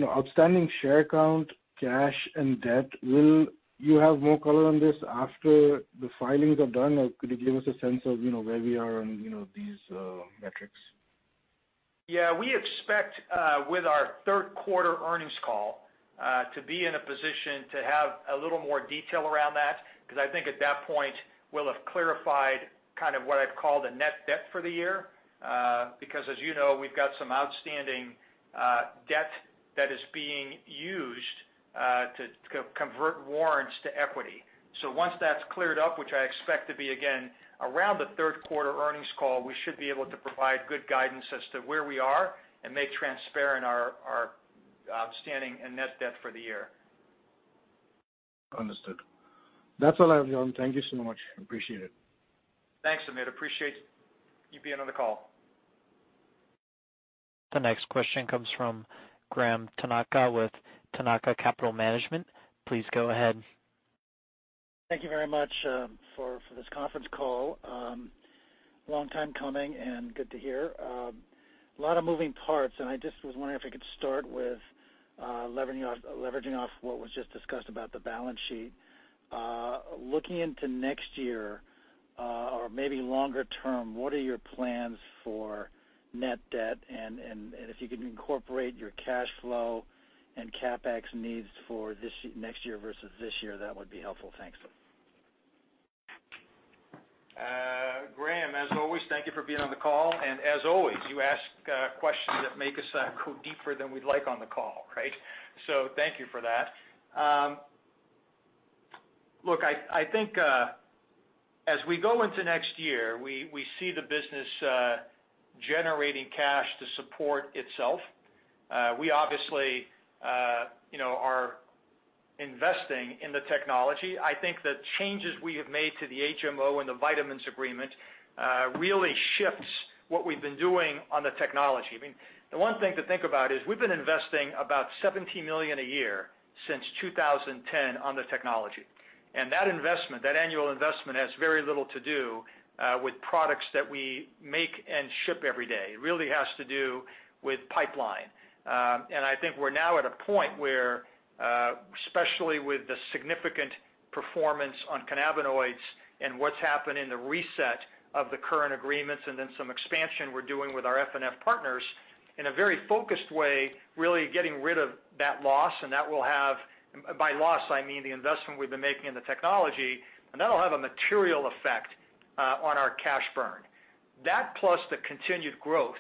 outstanding share count, cash, and debt. Will you have more color on this after the filings are done, or could you give us a sense of where we are on these metrics? Yeah. We expect with our third quarter earnings call to be in a position to have a little more detail around that because I think at that point we'll have clarified kind of what I'd call the net debt for the year because, as you know, we've got some outstanding debt that is being used to convert warrants to equity. So once that's cleared up, which I expect to be again around the third quarter earnings call, we should be able to provide good guidance as to where we are and make transparent our outstanding and net debt for the year. Understood. That's all I have, John. Thank you so much. Appreciate it. Thanks, Amit. Appreciate you being on the call. The next question comes from Graham Tanaka with Tanaka Capital Management. Please go ahead. Thank you very much for this conference call. Long time coming and good to hear. A lot of moving parts, and I just was wondering if we could start with leveraging off what was just discussed about the balance sheet. Looking into next year or maybe longer term, what are your plans for net debt, and if you could incorporate your cash flow and CapEx needs for next year versus this year, that would be helpful. Thanks. Graham, as always, thank you for being on the call. And as always, you ask questions that make us go deeper than we'd like on the call, right? So thank you for that. Look, I think as we go into next year, we see the business generating cash to support itself. We obviously are investing in the technology. I think the changes we have made to the HMO and the vitamins agreement really shifts what we've been doing on the technology. I mean, the one thing to think about is we've been investing about $17 million a year since 2010 on the technology. And that investment, that annual investment, has very little to do with products that we make and ship every day. It really has to do with pipeline. And I think we're now at a point where, especially with the significant performance on cannabinoids and what's happened in the reset of the current agreements and then some expansion we're doing with our F&F partners in a very focused way, really getting rid of that loss. And that will have and by loss, I mean the investment we've been making in the technology and that'll have a material effect on our cash burn. That plus the continued growth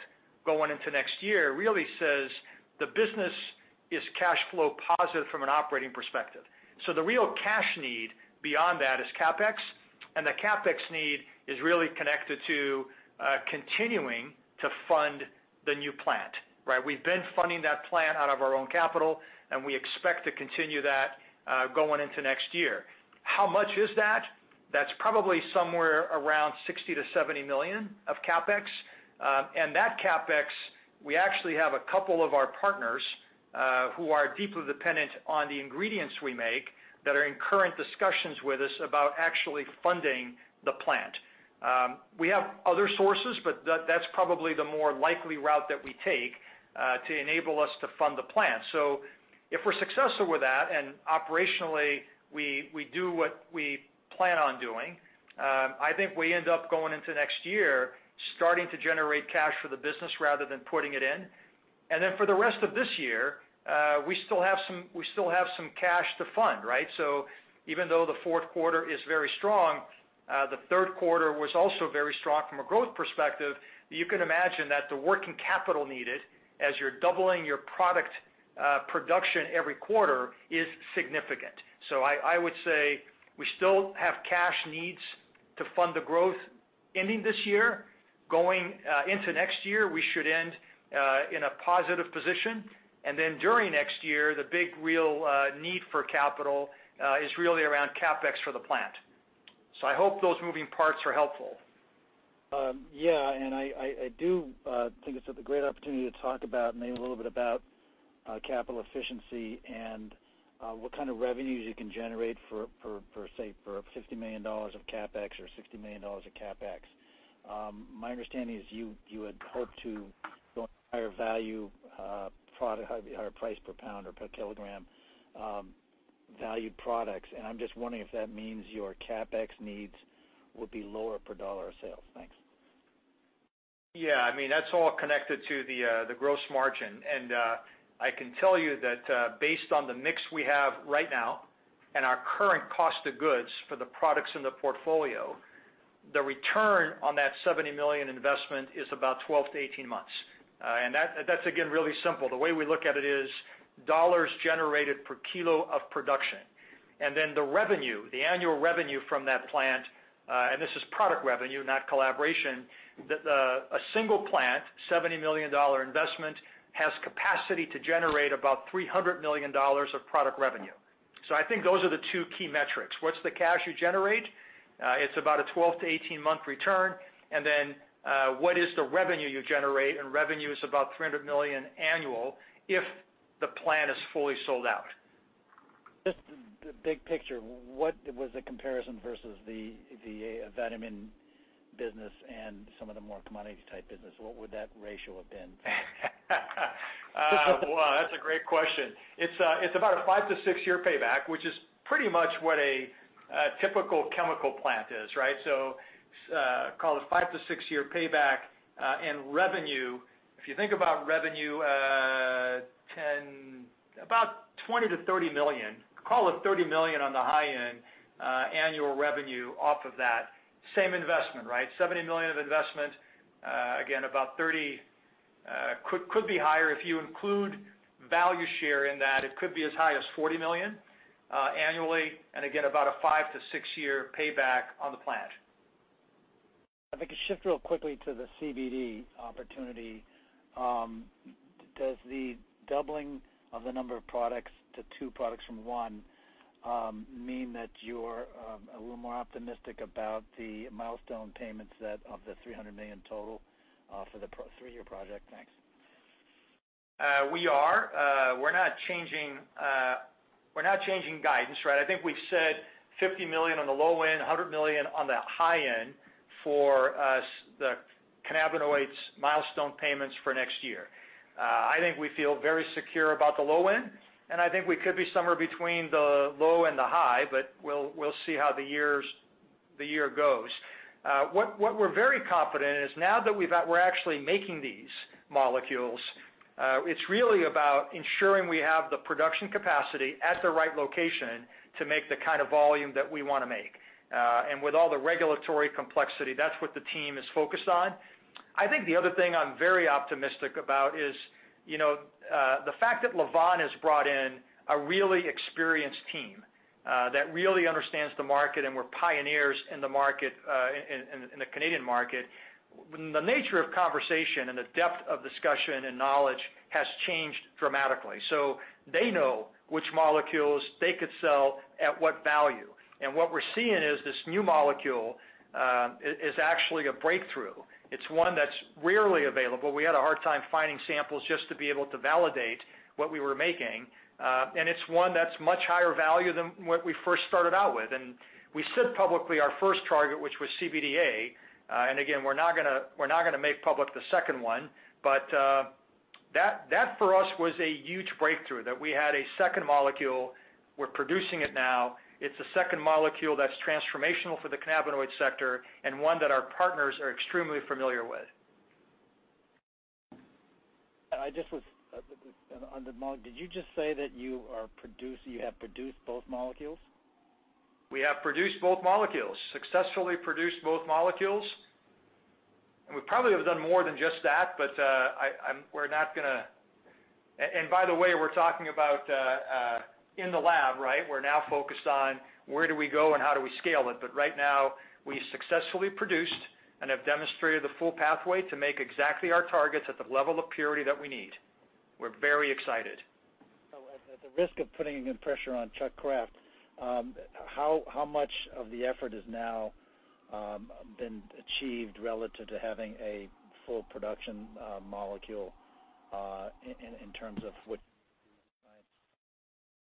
going into next year really says the business is cash flow positive from an operating perspective. So the real cash need beyond that is CapEx, and the CapEx need is really connected to continuing to fund the new plant, right? We've been funding that plant out of our own capital, and we expect to continue that going into next year. How much is that? That's probably somewhere around $60 million-$70 million of CapEx. And that CapEx, we actually have a couple of our partners who are deeply dependent on the ingredients we make that are in current discussions with us about actually funding the plant. We have other sources, but that's probably the more likely route that we take to enable us to fund the plant. So if we're successful with that and operationally we do what we plan on doing, I think we end up going into next year starting to generate cash for the business rather than putting it in. And then for the rest of this year, we still have some cash to fund, right? So even though the fourth quarter is very strong, the third quarter was also very strong from a growth perspective. You can imagine that the working capital needed as you're doubling your product production every quarter is significant. I would say we still have cash needs to fund the growth ending this year. Going into next year, we should end in a positive position. And then during next year, the big real need for capital is really around CapEx for the plant. I hope those moving parts are helpful. Yeah. And I do think it's a great opportunity to talk about and name a little bit about capital efficiency and what kind of revenues you can generate for, say, for $50 million of CapEx or $60 million of CapEx. My understanding is you would hope to go into higher value product, higher price per pound or per kilogram value products. And I'm just wondering if that means your CapEx needs would be lower per dollar of sales? Thanks. Yeah. I mean, that's all connected to the gross margin. And I can tell you that based on the mix we have right now and our current cost of goods for the products in the portfolio, the return on that $70 million investment is about 12 to 18 months. And that's, again, really simple. The way we look at it is dollars generated per kilo of production. And then the revenue, the annual revenue from that plant, and this is product revenue, not collaboration, a single plant, $70 million investment, has capacity to generate about $300 million of product revenue. So I think those are the two key metrics. What's the cash you generate? It's about a 12 to 18-month return. And then what is the revenue you generate? And revenue is about $300 million annual if the plant is fully sold out. Just the big picture, what was the comparison versus the vitamin business and some of the more commodity-type business? What would that ratio have been? That's a great question. It's about a five- to six-year payback, which is pretty much what a typical chemical plant is, right? So call it a five- to six-year payback. Revenue, if you think about revenue, about $20 million-$30 million. Call it $30 million on the high-end annual revenue off of that. Same investment, right? $70 million of investment, again, about $30, could be higher. If you include value share in that, it could be as high as $40 million annually. Again, about a five to six-year payback on the plant. If I could shift really quickly to the CBD opportunity, does the doubling of the number of products to two products from one mean that you're a little more optimistic about the milestone payments of the $300 million total for the three-year project? Thanks. We are. We're not changing guidance, right? I think we've said $50 million on the low end, $100 million on the high end for the cannabinoids milestone payments for next year. I think we feel very secure about the low end, and I think we could be somewhere between the low and the high, but we'll see how the year goes. What we're very confident in is now that we're actually making these molecules, it's really about ensuring we have the production capacity at the right location to make the kind of volume that we want to make, and with all the regulatory complexity, that's what the team is focused on. I think the other thing I'm very optimistic about is the fact that Lavvan has brought in a really experienced team that really understands the market, and we're pioneers in the market, in the Canadian market. The nature of conversation and the depth of discussion and knowledge has changed dramatically, so they know which molecules they could sell at what value, and what we're seeing is this new molecule is actually a breakthrough. It's one that's rarely available. We had a hard time finding samples just to be able to validate what we were making, and it's one that's much higher value than what we first started out with, and we said publicly our first target, which was CBDA. And again, we're not going to make public the second one, but that, for us, was a huge breakthrough that we had a second molecule. We're producing it now. It's a second molecule that's transformational for the cannabinoid sector and one that our partners are extremely familiar with. Did you just say that you have produced both molecules? We have produced both molecules, successfully produced both molecules. And we probably have done more than just that, but we're not going to, and by the way, we're talking about in the lab, right? We're now focused on where do we go and how do we scale it. But right now, we successfully produced and have demonstrated the full pathway to make exactly our targets at the level of purity that we need. We're very excited. So at the risk of putting a good pressure on Chuck Kraft, how much of the effort has now been achieved relative to having a full production molecule in terms of what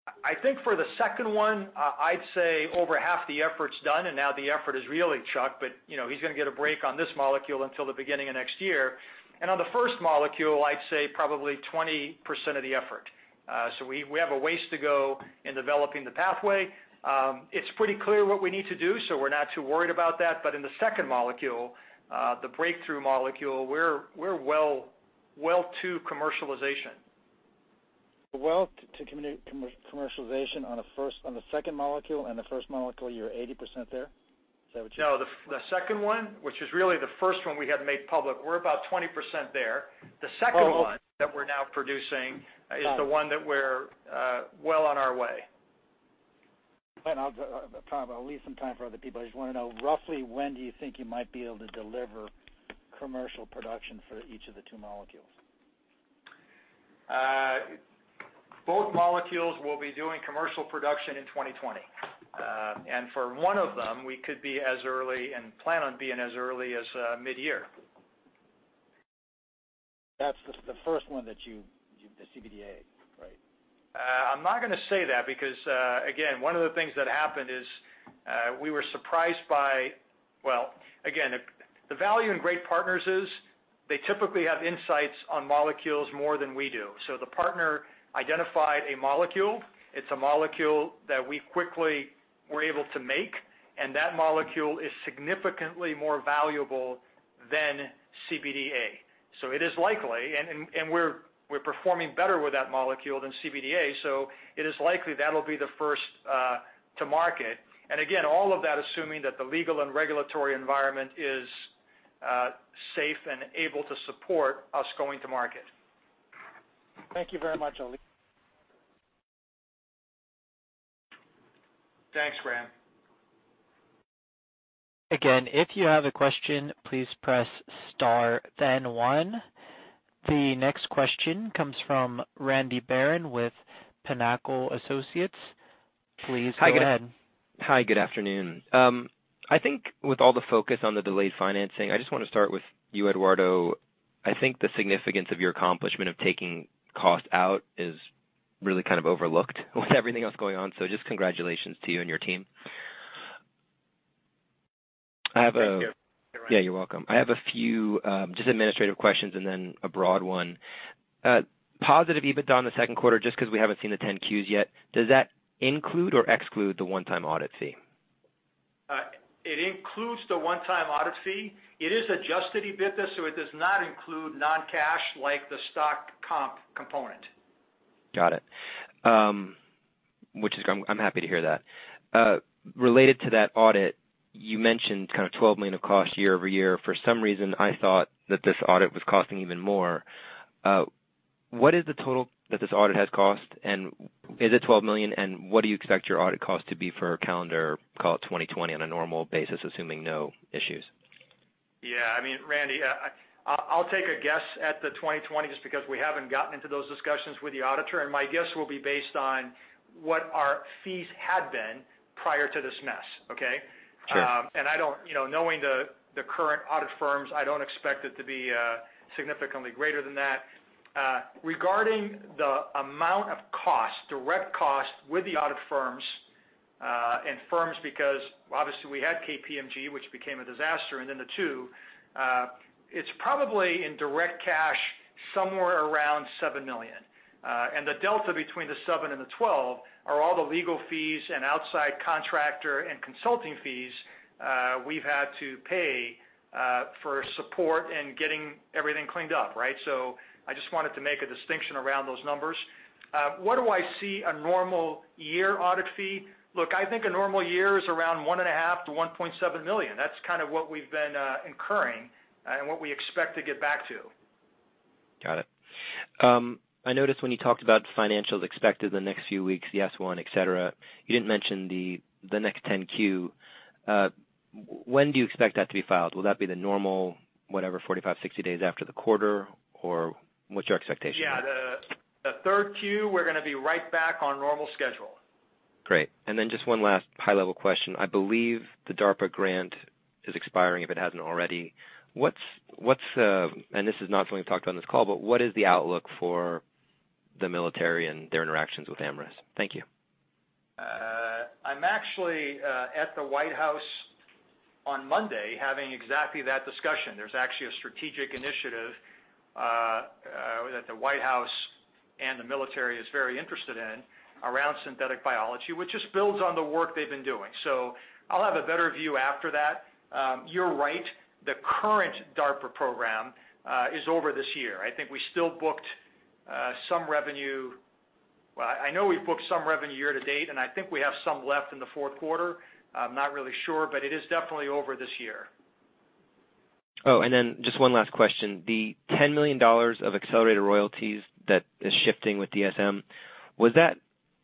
you're doing? I think for the second one, I'd say over half the effort's done, and now the effort is really, Chuck, but he's going to get a break on this molecule until the beginning of next year, and on the first molecule, I'd say probably 20% of the effort, so we have a ways to go in developing the pathway. It's pretty clear what we need to do, so we're not too worried about that, but in the second molecule, the breakthrough molecule, we're well to commercialization. To commercialization on the second molecule and the first molecule, you're 80% there? Is that what you said? No. The second one, which is really the first one we had made public, we're about 20% there. The second one that we're now producing is the one that we're well on our way. I'll leave some time for other people. I just want to know, roughly when do you think you might be able to deliver commercial production for each of the two molecules? Both molecules will be doing commercial production in 2020, and for one of them, we could be as early and plan on being as early as mid-year. That's the first one that you, the CBDA, right? I'm not going to say that because, again, one of the things that happened is we were surprised by, well, again, the value in great partners is they typically have insights on molecules more than we do. So the partner identified a molecule. It's a molecule that we quickly were able to make, and that molecule is significantly more valuable than CBDA. So it is likely, and we're performing better with that molecule than CBDA. So it is likely that'll be the first to market. And again, all of that assuming that the legal and regulatory environment is safe and able to support us going to market. Thank you very much. Thanks, Graham. Again, if you have a question, please press star, then one. The next question comes from Randy Baron with Pinnacle Associates. Please go ahead. Hi. Good afternoon. I think with all the focus on the delayed financing, I just want to start with you, Eduardo. I think the significance of your accomplishment of taking cost out is really kind of overlooked with everything else going on. So just congratulations to you and your team. I have a. Thank you. Yeah. You're welcome. I have a few just administrative questions and then a broad one. Positive EBITDA on the second quarter, just because we haven't seen the 10-Qs yet, does that include or exclude the one-time audit fee? It includes the one-time audit fee. It is adjusted EBITDA, so it does not include non-cash like the stock comp component. Got it. I'm happy to hear that. Related to that audit, you mentioned kind of $12 million of cost year over year. For some reason, I thought that this audit was costing even more. What is the total that this audit has cost? And is it $12 million? And what do you expect your audit cost to be for calendar, call it 2020, on a normal basis, assuming no issues? Yeah. I mean, Randy, I'll take a guess at the 2020 just because we haven't gotten into those discussions with the auditor. And my guess will be based on what our fees had been prior to this mess, okay? And knowing the current audit firms, I don't expect it to be significantly greater than that. Regarding the amount of cost, direct cost with the audit firms and firms, because obviously we had KPMG, which became a disaster, and then the two, it's probably in direct cash somewhere around $7 million. And the delta between the $7 million and the $12 million are all the legal fees and outside contractor and consulting fees we've had to pay for support and getting everything cleaned up, right? So I just wanted to make a distinction around those numbers. What do I see a normal year audit fee? Look, I think a normal year is around $1.5 million-$1.7 million. That's kind of what we've been incurring and what we expect to get back to. Got it. I noticed when you talked about financials expected in the next few weeks, the S-1, etc., you didn't mention the next 10-Q. When do you expect that to be filed? Will that be the normal, whatever, 45, 60 days after the quarter, or what's your expectation? Yeah. The third Q, we're going to be right back on normal schedule. Great. And then just one last high-level question. I believe the DARPA grant is expiring if it hasn't already. And this is not something we've talked about on this call, but what is the outlook for the military and their interactions with Amyris? Thank you. I'm actually at the White House on Monday having exactly that discussion. There's actually a strategic initiative that the White House and the military are very interested in around synthetic biology, which just builds on the work they've been doing. So I'll have a better view after that. You're right. The current DARPA program is over this year. I think we still booked some revenue. Well, I know we've booked some revenue year to date, and I think we have some left in the fourth quarter. I'm not really sure, but it is definitely over this year. Oh, and then just one last question. The $10 million of accelerated royalties that is shifting with DSM,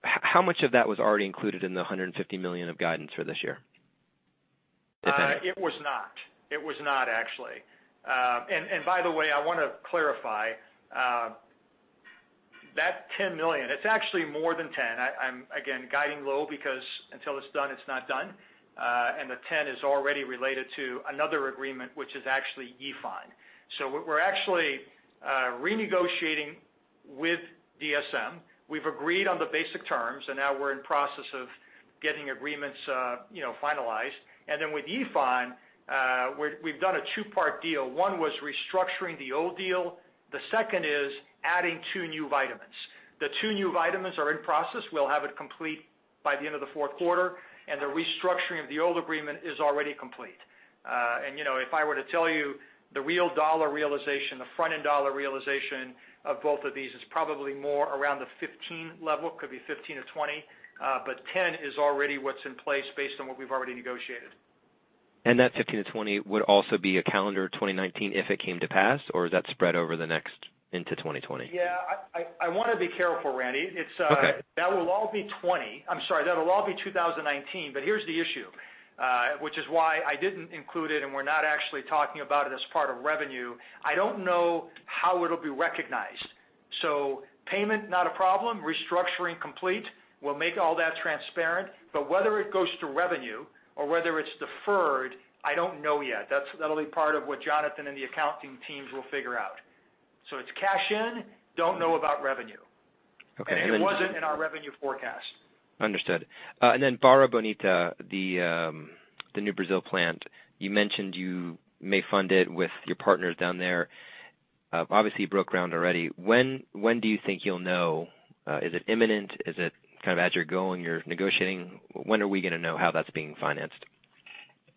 how much of that was already included in the $150 million of guidance for this year, if any? It was not. It was not, actually. And by the way, I want to clarify. That $10 million, it's actually more than $10. I'm, again, guiding low because until it's done, it's not done. And the $10 is already related to another agreement, which is actually Yifan. So we're actually renegotiating with DSM. We've agreed on the basic terms, and now we're in the process of getting agreements finalized. And then with Yifan, we've done a two-part deal. One was restructuring the old deal. The second is adding two new vitamins. The two new vitamins are in process. We'll have it complete by the end of the fourth quarter. And the restructuring of the old agreement is already complete. And if I were to tell you the real dollar realization, the front-end dollar realization of both of these is probably more around the $15 million level. It could be $15 or $20. But $10 is already what's in place based on what we've already negotiated. That $15-$20 would also be a calendar 2019 if it came to pass, or is that spread over the next into 2020? Yeah. I want to be careful, Randy. That will all be $20. I'm sorry. That will all be 2019, but here's the issue, which is why I didn't include it, and we're not actually talking about it as part of revenue. I don't know how it'll be recognized. Payment, not a problem. Restructuring complete. We'll make all that transparent, but whether it goes to revenue or whether it's deferred, I don't know yet. That'll be part of what Jonathan and the accounting teams will figure out, so it's cash in. Don't know about revenue, and it wasn't in our revenue forecast. Understood. And then Barra Bonita, the new Brazil plant, you mentioned you may fund it with your partners down there. Obviously, you broke ground already. When do you think you'll know? Is it imminent? Is it kind of as you're going, you're negotiating? When are we going to know how that's being financed?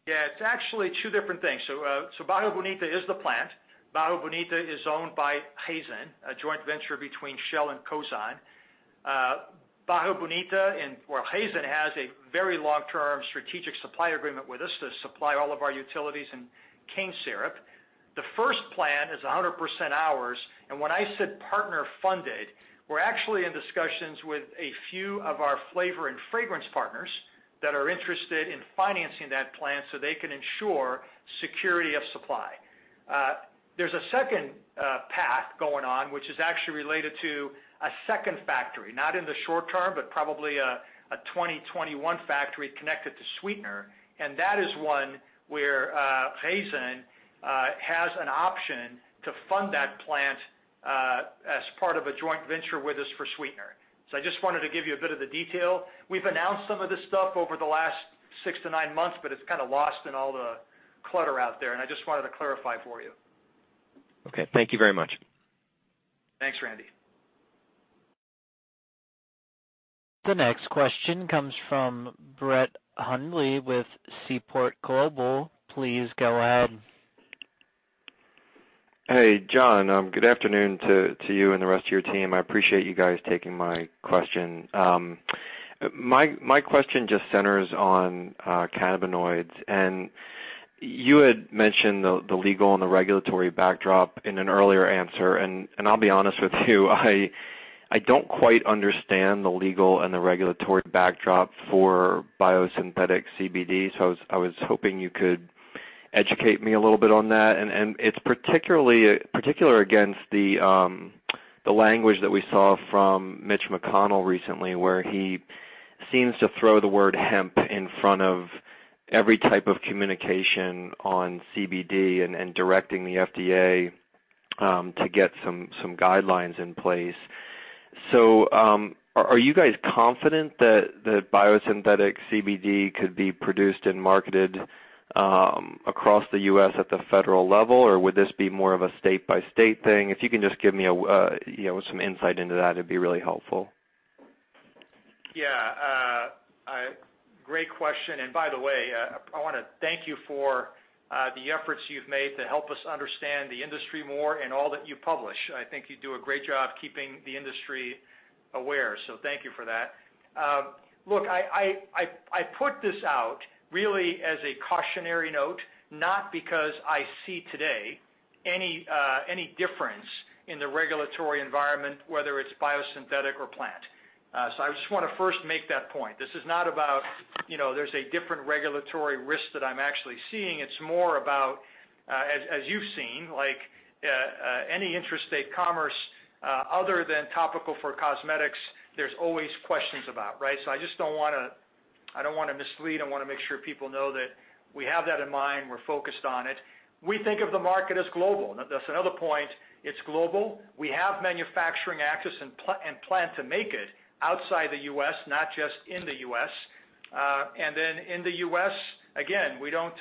Yeah. It's actually two different things. So Barra Bonita is the plant. Barra Bonita is owned by Raízen, a joint venture between Shell and Cosan. Barra Bonita and Raízen has a very long-term strategic supply agreement with us to supply all of our utilities and cane syrup. The first plant is 100% ours. And when I said partner funded, we're actually in discussions with a few of our flavor and fragrance partners that are interested in financing that plant so they can ensure security of supply. There's a second path going on, which is actually related to a second factory, not in the short term, but probably a 2021 factory connected to sweetener. And that is one where Raízen has an option to fund that plant as part of a joint venture with us for sweetener. So I just wanted to give you a bit of the detail. We've announced some of this stuff over the last six to nine months, but it's kind of lost in all the clutter out there, and I just wanted to clarify for you. Okay. Thank you very much. Thanks, Randy. The next question comes from Brett Hundley with Seaport Global. Please go ahead. Hey, John. Good afternoon to you and the rest of your team. I appreciate you guys taking my question. My question just centers on cannabinoids. And you had mentioned the legal and the regulatory backdrop in an earlier answer. And I'll be honest with you, I don't quite understand the legal and the regulatory backdrop for biosynthetic CBD. So I was hoping you could educate me a little bit on that. And in particular against the language that we saw from Mitch McConnell recently, where he seems to throw the word hemp in front of every type of communication on CBD and directing the FDA to get some guidelines in place. So are you guys confident that the biosynthetic CBD could be produced and marketed across the U.S. at the federal level, or would this be more of a state-by-state thing? If you can just give me some insight into that, it'd be really helpful. Yeah. Great question. And by the way, I want to thank you for the efforts you've made to help us understand the industry more and all that you publish. I think you do a great job keeping the industry aware. So thank you for that. Look, I put this out really as a cautionary note, not because I see today any difference in the regulatory environment, whether it's biosynthetic or plant. So I just want to first make that point. This is not about there's a different regulatory risk that I'm actually seeing. It's more about, as you've seen, any interstate commerce other than topical for cosmetics, there's always questions about, right? So I just don't want to I don't want to mislead. I want to make sure people know that we have that in mind. We're focused on it. We think of the market as global. That's another point. It's global. We have manufacturing access and plan to make it outside the U.S., not just in the U.S. And then in the U.S., again, we don't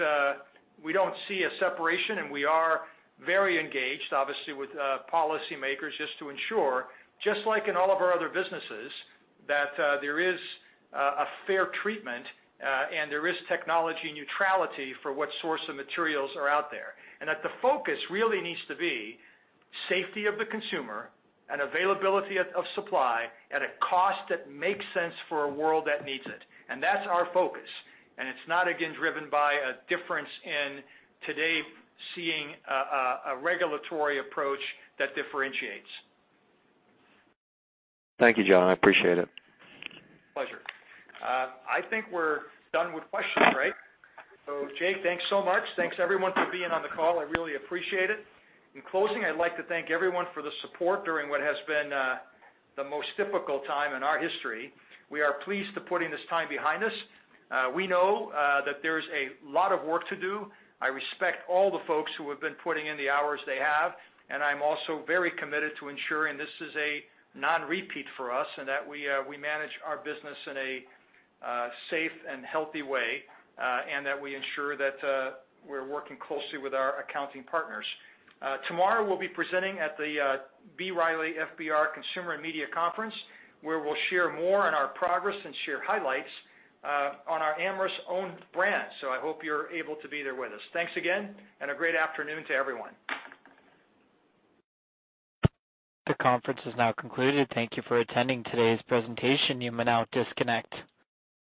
see a separation. And we are very engaged, obviously, with policymakers just to ensure, just like in all of our other businesses, that there is a fair treatment and there is technology neutrality for what source of materials are out there. And that the focus really needs to be safety of the consumer and availability of supply at a cost that makes sense for a world that needs it. And that's our focus. And it's not, again, driven by a difference in today seeing a regulatory approach that differentiates. Thank you, John. I appreciate it. Pleasure. I think we're done with questions, right? So Jake, thanks so much. Thanks, everyone, for being on the call. I really appreciate it. In closing, I'd like to thank everyone for the support during what has been the most difficult time in our history. We are pleased to put this time behind us. We know that there's a lot of work to do. I respect all the folks who have been putting in the hours they have, and I'm also very committed to ensuring this is a non-repeat for us and that we manage our business in a safe and healthy way and that we ensure that we're working closely with our accounting partners. Tomorrow, we'll be presenting at the B. Riley FBR Consumer and Media Conference, where we'll share more on our progress and share highlights on our Amyris-owned brand. So I hope you're able to be there with us. Thanks again, and a great afternoon to everyone. The conference is now concluded. Thank you for attending today's presentation. You may now disconnect.